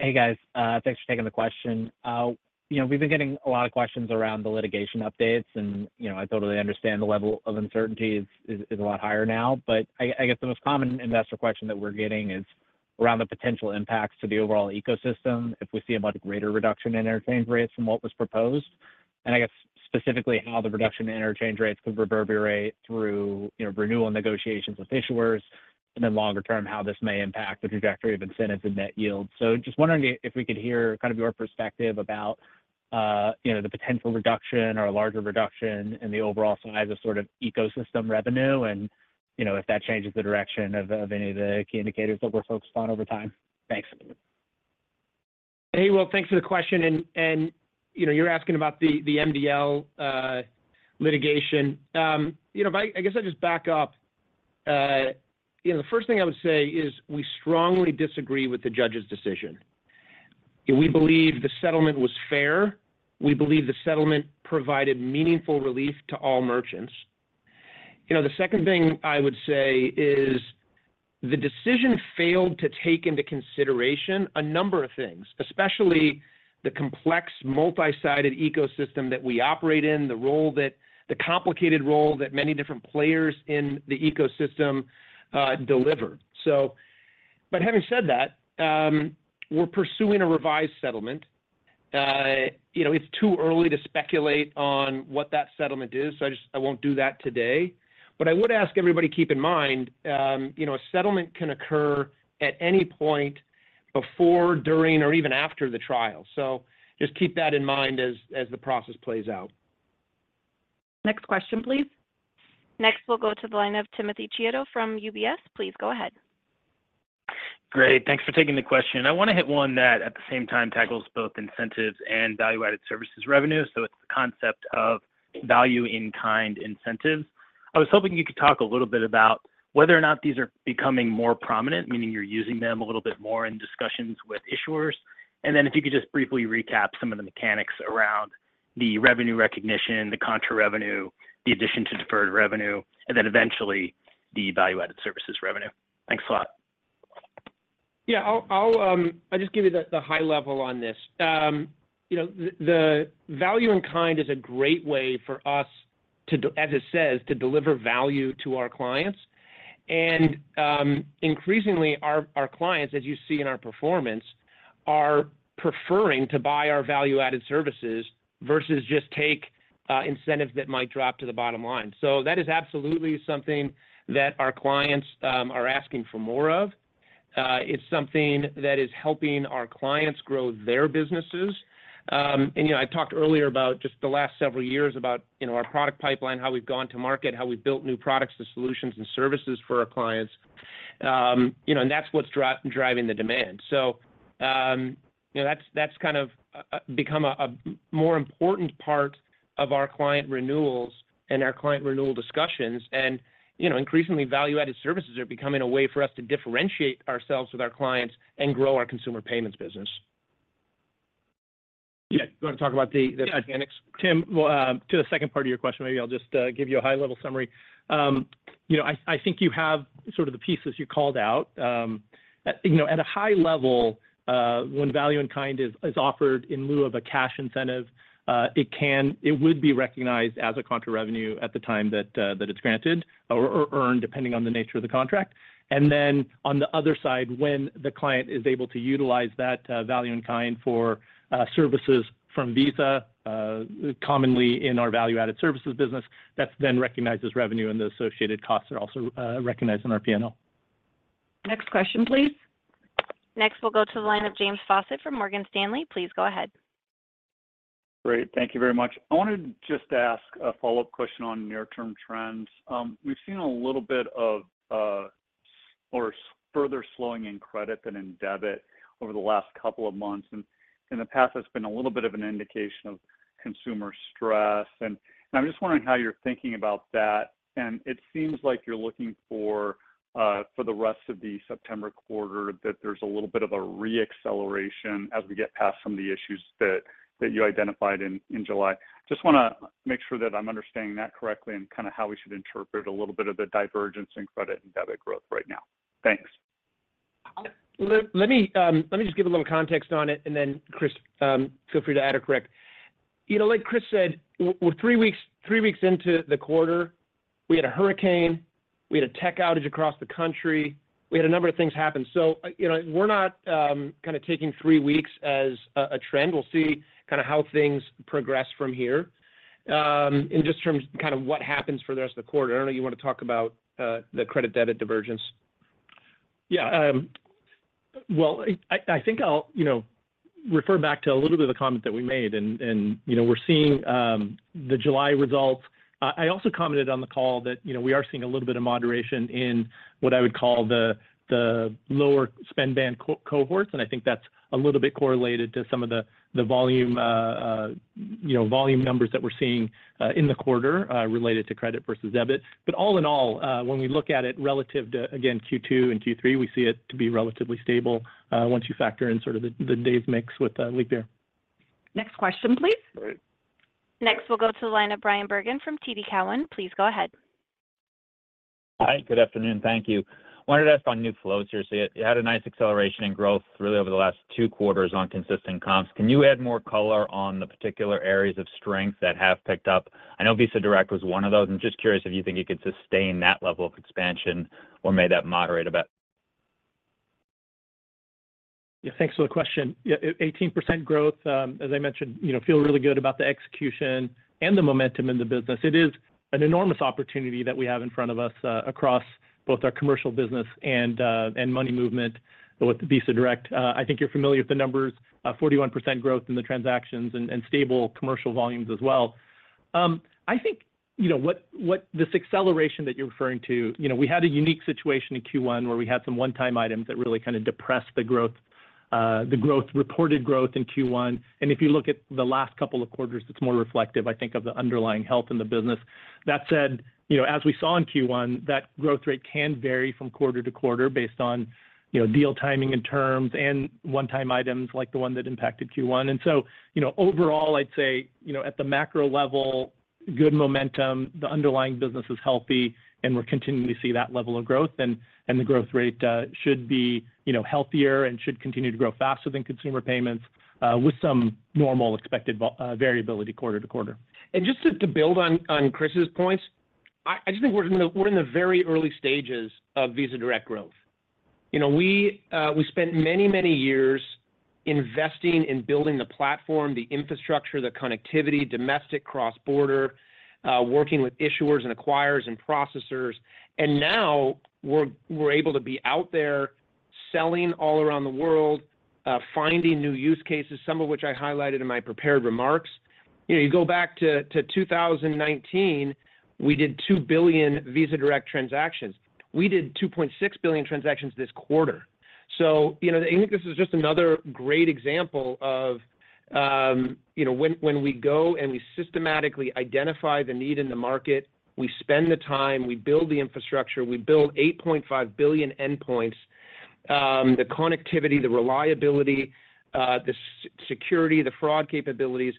Hey, guys. Thanks for taking the question. We've been getting a lot of questions around the litigation updates, and I totally understand the level of uncertainty is a lot higher now. But I guess the most common investor question that we're getting is around the potential impacts to the overall ecosystem if we see a much greater reduction in interchange rates than what was proposed. I guess specifically how the reduction in interchange rates could reverberate through renewal negotiations with issuers, and then longer term, how this may impact the trajectory of incentives and net yield. So just wondering if we could hear kind of your perspective about the potential reduction or a larger reduction in the overall size of sort of ecosystem revenue and if that changes the direction of any of the key indicators that we're focused on over time. Thanks. Hey, well, thanks for the question. You're asking about the MDL litigation. I guess I'll just back up. The first thing I would say is we strongly disagree with the judge's decision. We believe the settlement was fair. We believe the settlement provided meaningful relief to all merchants. The second thing I would say is the decision failed to take into consideration a number of things, especially the complex multi-sided ecosystem that we operate in, the complicated role that many different players in the ecosystem deliver. But having said that, we're pursuing a revised settlement. It's too early to speculate on what that settlement is, so I won't do that today. But I would ask everybody to keep in mind a settlement can occur at any point before, during, or even after the trial. So just keep that in mind as the process plays out. Next question, please. Next, we'll go to the line of Timothy Chiodo from UBS. Please go ahead. Great. Thanks for taking the question. I want to hit one that at the same time tackles both incentives and value-added services revenue. So it's the concept of value-in-kind incentives. I was hoping you could talk a little bit about whether or not these are becoming more prominent, meaning you're using them a little bit more in discussions with issuers. And then if you could just briefly recap some of the mechanics around the revenue recognition, the contra revenue, the addition to deferred revenue, and then eventually the value-added services revenue. Thanks a lot. Yeah, I'll just give you the high level on this. The value-in-kind is a great way for us, as it says, to deliver value to our clients. And increasingly, our clients, as you see in our performance, are preferring to buy our value-added services versus just take incentives that might drop to the bottom line. So that is absolutely something that our clients are asking for more of. It's something that is helping our clients grow their businesses. And I talked earlier about just the last several years about our product pipeline, how we've gone to market, how we've built new products and solutions and services for our clients. And that's what's driving the demand. So that's kind of become a more important part of our client renewals and our client renewal discussions. And increasingly, value-added services are becoming a way for us to differentiate ourselves with our clients and grow our consumer payments business. Yeah, you want to talk about the mechanics? Tim, to the second part of your question, maybe I'll just give you a high-level summary. I think you have sort of the pieces you called out. At a high level, when value-in-kind is offered in lieu of a cash incentive, it would be recognized as a contra revenue at the time that it's granted or earned, depending on the nature of the contract. Then on the other side, when the client is able to utilize that value-in-kind for services from Visa, commonly in our value-added services business, that's then recognized as revenue, and the associated costs are also recognized in our P&L. Next question, please. Next, we'll go to the line of James Faucette from Morgan Stanley. Please go ahead. Great. Thank you very much. I wanted to just ask a follow-up question on near-term trends. We've seen a little bit of or further slowing in credit than in debit over the last couple of months. In the past, there's been a little bit of an indication of consumer stress. I'm just wondering how you're thinking about that. It seems like you're looking for, for the rest of the September quarter, that there's a little bit of a re-acceleration as we get past some of the issues that you identified in July. Just want to make sure that I'm understanding that correctly and kind of how we should interpret a little bit of the divergence in credit and debit growth right now. Thanks. Let me just give a little context on it, and then Chris, feel free to add or correct. Like Chris said, we're three weeks into the quarter. We had a hurricane. We had a tech outage across the country. We had a number of things happen. So we're not kind of taking three weeks as a trend. We'll see kind of how things progress from here in just terms of kind of what happens for the rest of the quarter. I don't know if you want to talk about the credit-debit divergence. Yeah. Well, I think I'll refer back to a little bit of the comment that we made. We're seeing the July results. I also commented on the call that we are seeing a little bit of moderation in what I would call the lower spend-band cohorts. I think that's a little bit correlated to some of the volume numbers that we're seeing in the quarter related to credit versus debit. But all in all, when we look at it relative to, again, Q2 and Q3, we see it to be relatively stable once you factor in sort of the days mix with the leap year. Next question, please. Next, we'll go to the line of Bryan Bergin from TD Cowen. Please go ahead. Hi. Good afternoon. Thank you. I wanted to ask on new flows here. So you had a nice acceleration in growth really over the last two quarters on consistent comps. Can you add more color on the particular areas of strength that have picked up? I know Visa Direct was one of those. I'm just curious if you think you could sustain that level of expansion or may that moderate a bit? Yeah, thanks for the question. 18% growth, as I mentioned, feel really good about the execution and the momentum in the business. It is an enormous opportunity that we have in front of us across both our commercial business and money movement with Visa Direct. I think you're familiar with the numbers: 41% growth in the transactions and stable commercial volumes as well. I think what this acceleration that you're referring to, we had a unique situation in Q1 where we had some one-time items that really kind of depressed the growth, the reported growth in Q1. And if you look at the last couple of quarters, it's more reflective, I think, of the underlying health in the business. That said, as we saw in Q1, that growth rate can vary from quarter to quarter based on deal timing and terms and one-time items like the one that impacted Q1. And so overall, I'd say at the macro level, good momentum, the underlying business is healthy, and we're continuing to see that level of growth. And the growth rate should be healthier and should continue to grow faster than consumer payments with some normal expected variability quarter to quarter. Just to build on Chris's points, I just think we're in the very early stages of Visa Direct growth. We spent many, many years investing in building the platform, the infrastructure, the connectivity, domestic, cross-border, working with issuers and acquirers and processors. And now we're able to be out there selling all around the world, finding new use cases, some of which I highlighted in my prepared remarks. You go back to 2019, we did 2 billion Visa Direct transactions. We did 2.6 billion transactions this quarter. So I think this is just another great example of when we go and we systematically identify the need in the market, we spend the time, we build the infrastructure, we build 8.5 billion endpoints, the connectivity, the reliability, the security, the fraud capabilities.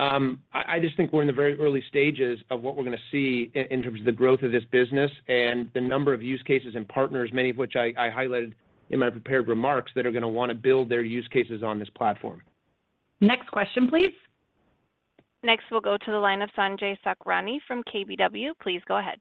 I just think we're in the very early stages of what we're going to see in terms of the growth of this business and the number of use cases and partners, many of which I highlighted in my prepared remarks, that are going to want to build their use cases on this platform. Next question, please. Next, we'll go to the line of Sanjay Sakhrani from KBW. Please go ahead.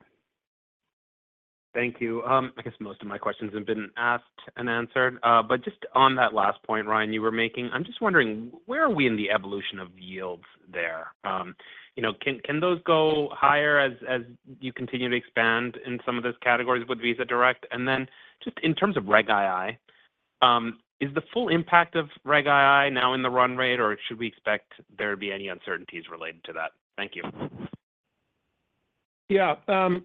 Thank you. I guess most of my questions have been asked and answered. But just on that last point, Ryan, you were making, I'm just wondering, where are we in the evolution of yields there? Can those go higher as you continue to expand in some of those categories with Visa Direct? And then just in terms of Reg II, is the full impact of Reg II now in the run rate, or should we expect there to be any uncertainties related to that? Thank you. Yeah.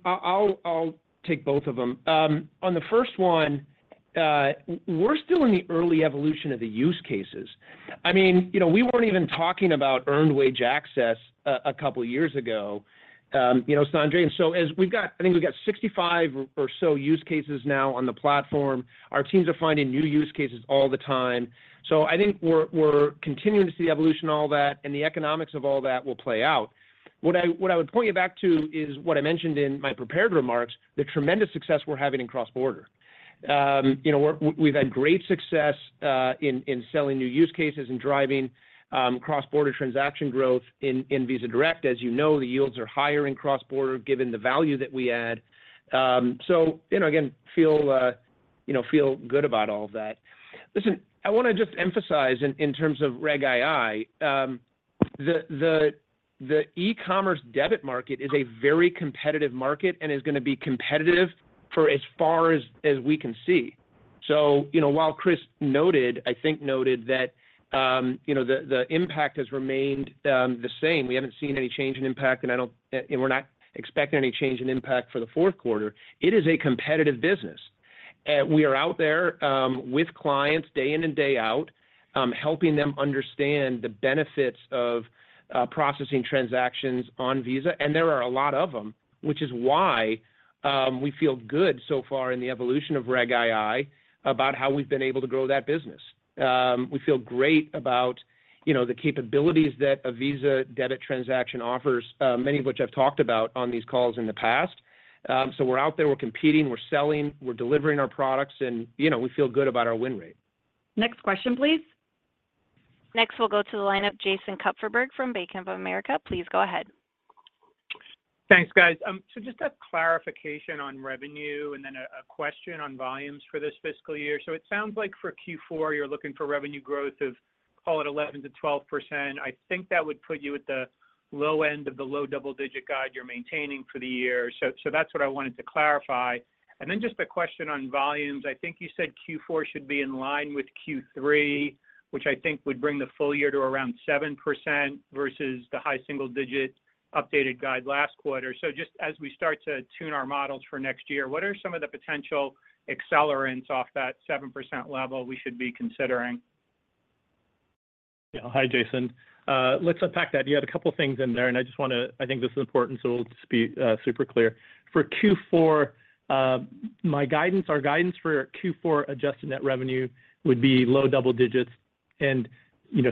I'll take both of them. On the first one, we're still in the early evolution of the use cases. I mean, we weren't even talking about earned wage access a couple of years ago, Sanjay. And so we've got, I think we've got 65 or so use cases now on the platform. Our teams are finding new use cases all the time. So I think we're continuing to see the evolution of all that, and the economics of all that will play out. What I would point you back to is what I mentioned in my prepared remarks, the tremendous success we're having in cross-border. We've had great success in selling new use cases and driving cross-border transaction growth in Visa Direct. As you know, the yields are higher in cross-border given the value that we add. So again, feel good about all of that. Listen, I want to just emphasize in terms of Reg II, the e-commerce debit market is a very competitive market and is going to be competitive for as far as we can see. So while Chris noted, I think noted that the impact has remained the same, we haven't seen any change in impact, and we're not expecting any change in impact for the fourth quarter, it is a competitive business. We are out there with clients day in and day out, helping them understand the benefits of processing transactions on Visa. There are a lot of them, which is why we feel good so far in the evolution of Reg II about how we've been able to grow that business. We feel great about the capabilities that a Visa debit transaction offers, many of which I've talked about on these calls in the past. So we're out there, we're competing, we're selling, we're delivering our products, and we feel good about our win rate. Next question, please. Next, we'll go to the line of Jason Kupferberg from Bank of America. Please go ahead. Thanks, guys. So just a clarification on revenue and then a question on volumes for this fiscal year. So it sounds like for Q4, you're looking for revenue growth of, call it, 11%-12%. I think that would put you at the low end of the low double-digit guide you're maintaining for the year. So that's what I wanted to clarify. And then just a question on volumes. I think you said Q4 should be in line with Q3, which I think would bring the full year to around 7% versus the high single-digit updated guide last quarter. So just as we start to tune our models for next year, what are some of the potential accelerants off that 7% level we should be considering? Yeah. Hi, Jason. Let's unpack that. You had a couple of things in there, and I just want to, I think this is important, so we'll just be super clear. For Q4, my guidance, our guidance for Q4 adjusted net revenue would be low double digits. And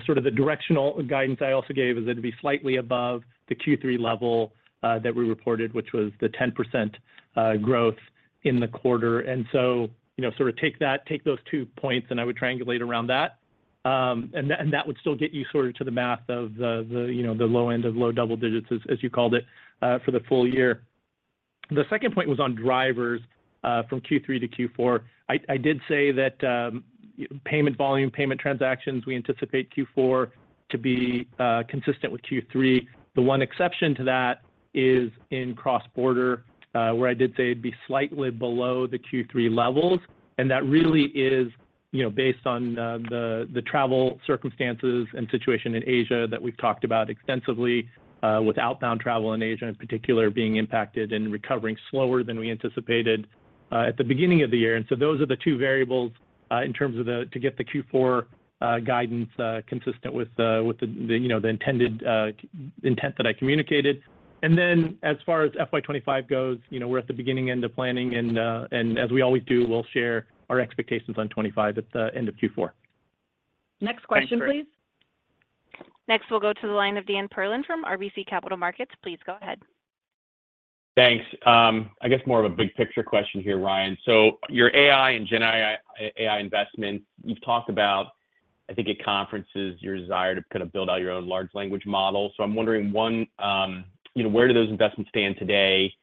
sort of the directional guidance I also gave is it'd be slightly above the Q3 level that we reported, which was the 10% growth in the quarter. So sort of take those two points, and I would triangulate around that. That would still get you sort of to the math of the low end of low double digits, as you called it, for the full year. The second point was on drivers from Q3 to Q4. I did say that payment volume, payment transactions, we anticipate Q4 to be consistent with Q3. The one exception to that is in cross-border, where I did say it'd be slightly below the Q3 levels. That really is based on the travel circumstances and situation in Asia that we've talked about extensively, with outbound travel in Asia in particular being impacted and recovering slower than we anticipated at the beginning of the year. So those are the two variables in terms of to get the Q4 guidance consistent with the intended intent that I communicated. And then as far as FY 2025 goes, we're at the beginning end of planning. And as we always do, we'll share our expectations on 2025 at the end of Q4. Next question, please. Next, we'll go to the line of Dan Perlin from RBC Capital Markets. Please go ahead. Thanks. I guess more of a big picture question here, Ryan. So your AI and GenAI investments, you've talked about, I think, at conferences, your desire to kind of build out your own large language model. So I'm wondering, one, where do those investments stand today?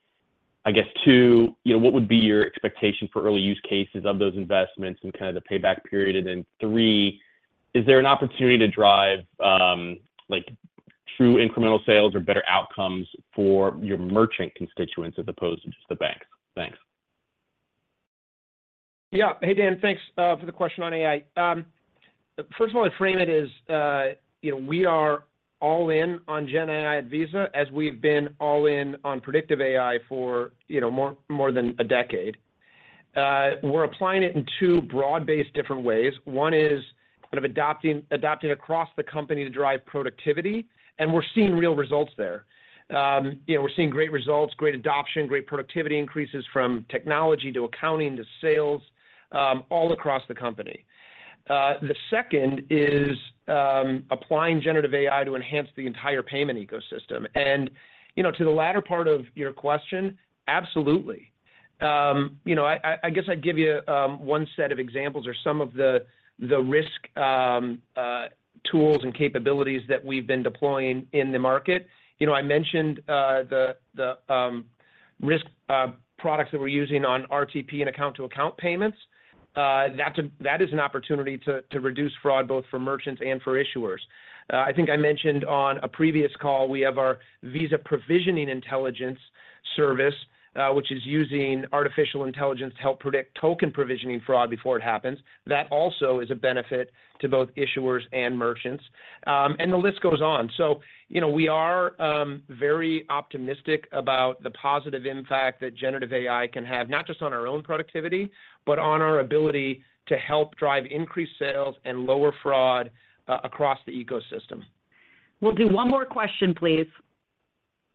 I guess, two, what would be your expectation for early use cases of those investments and kind of the payback period? And then, three, is there an opportunity to drive true incremental sales or better outcomes for your merchant constituents as opposed to just the banks? Thanks. Yeah. Hey, Dan, thanks for the question on AI. First of all, I'd frame it as we are all in on GenAI at Visa as we've been all in on predictive AI for more than a decade. We're applying it in two broad-based different ways. One is kind of adopting across the company to drive productivity. And we're seeing real results there. We're seeing great results, great adoption, great productivity increases from technology to accounting to sales all across the company. The second is applying generative AI to enhance the entire payment ecosystem. And to the latter part of your question, absolutely. I guess I'd give you one set of examples or some of the risk tools and capabilities that we've been deploying in the market. I mentioned the risk products that we're using on RTP and account-to-account payments. That is an opportunity to reduce fraud both for merchants and for issuers. I think I mentioned on a previous call, we have our Visa Provisioning Intelligence service, which is using artificial intelligence to help predict token provisioning fraud before it happens. That also is a benefit to both issuers and merchants. And the list goes on. So we are very optimistic about the positive impact that generative AI can have, not just on our own productivity, but on our ability to help drive increased sales and lower fraud across the ecosystem. We'll do one more question, please.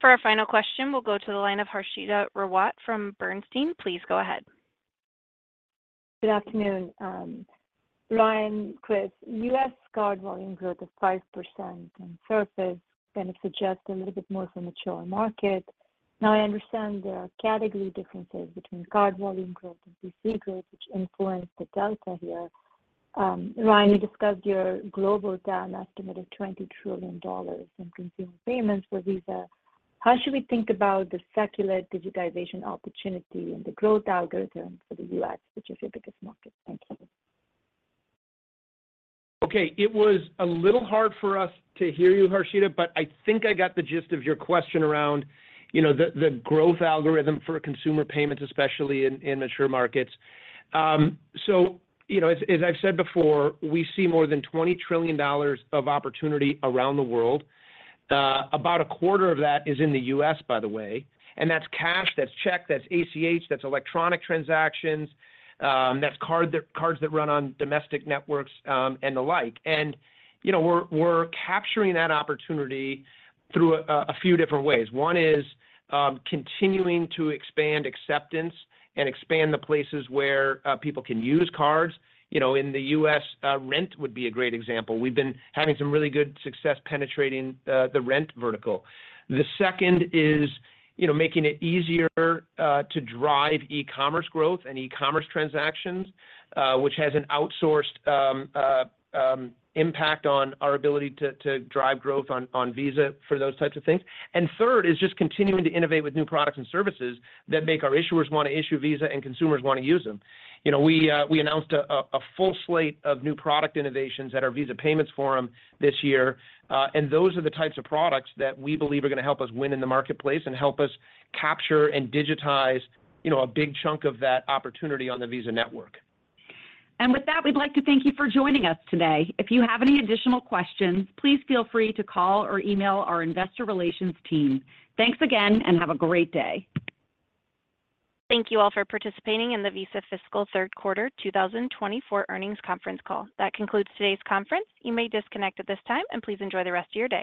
For our final question, we'll go to the line of Harshita Rawat from Bernstein. Please go ahead. Good afternoon. Ryan, question, U.S. card volume growth of 5% and services benefit just a little bit more from the PCE market. Now, I understand there are category differences between card volume growth and PCE growth, which influence the delta here. Ryan, you discussed your global TAM estimate of $20 trillion in consumer payments for Visa. How should we think about the secular digitization opportunity and the growth algorithm for the U.S., which is your biggest market? Thank you. Okay. It was a little hard for us to hear you, Harshita, but I think I got the gist of your question around the growth algorithm for consumer payments, especially in mature markets. So as I've said before, we see more than $20 trillion of opportunity around the world. About a quarter of that is in the U.S., by the way. And that's cash, that's check, that's ACH, that's electronic transactions, that's cards that run on domestic networks and the like. And we're capturing that opportunity through a few different ways. One is continuing to expand acceptance and expand the places where people can use cards. In the U.S., rent would be a great example. We've been having some really good success penetrating the rent vertical. The second is making it easier to drive e-commerce growth and e-commerce transactions, which has an outsize impact on our ability to drive growth on Visa for those types of things. Third is just continuing to innovate with new products and services that make our issuers want to issue Visa and consumers want to use them. We announced a full slate of new product innovations at our Visa Payments Forum this year. Those are the types of products that we believe are going to help us win in the marketplace and help us capture and digitize a big chunk of that opportunity on the Visa network. With that, we'd like to thank you for joining us today. If you have any additional questions, please feel free to call or email our investor relations team. Thanks again and have a great day. Thank you all for participating in the Visa fiscal third quarter 2024 earnings conference call. That concludes today's conference. You may disconnect at this time, and please enjoy the rest of your day.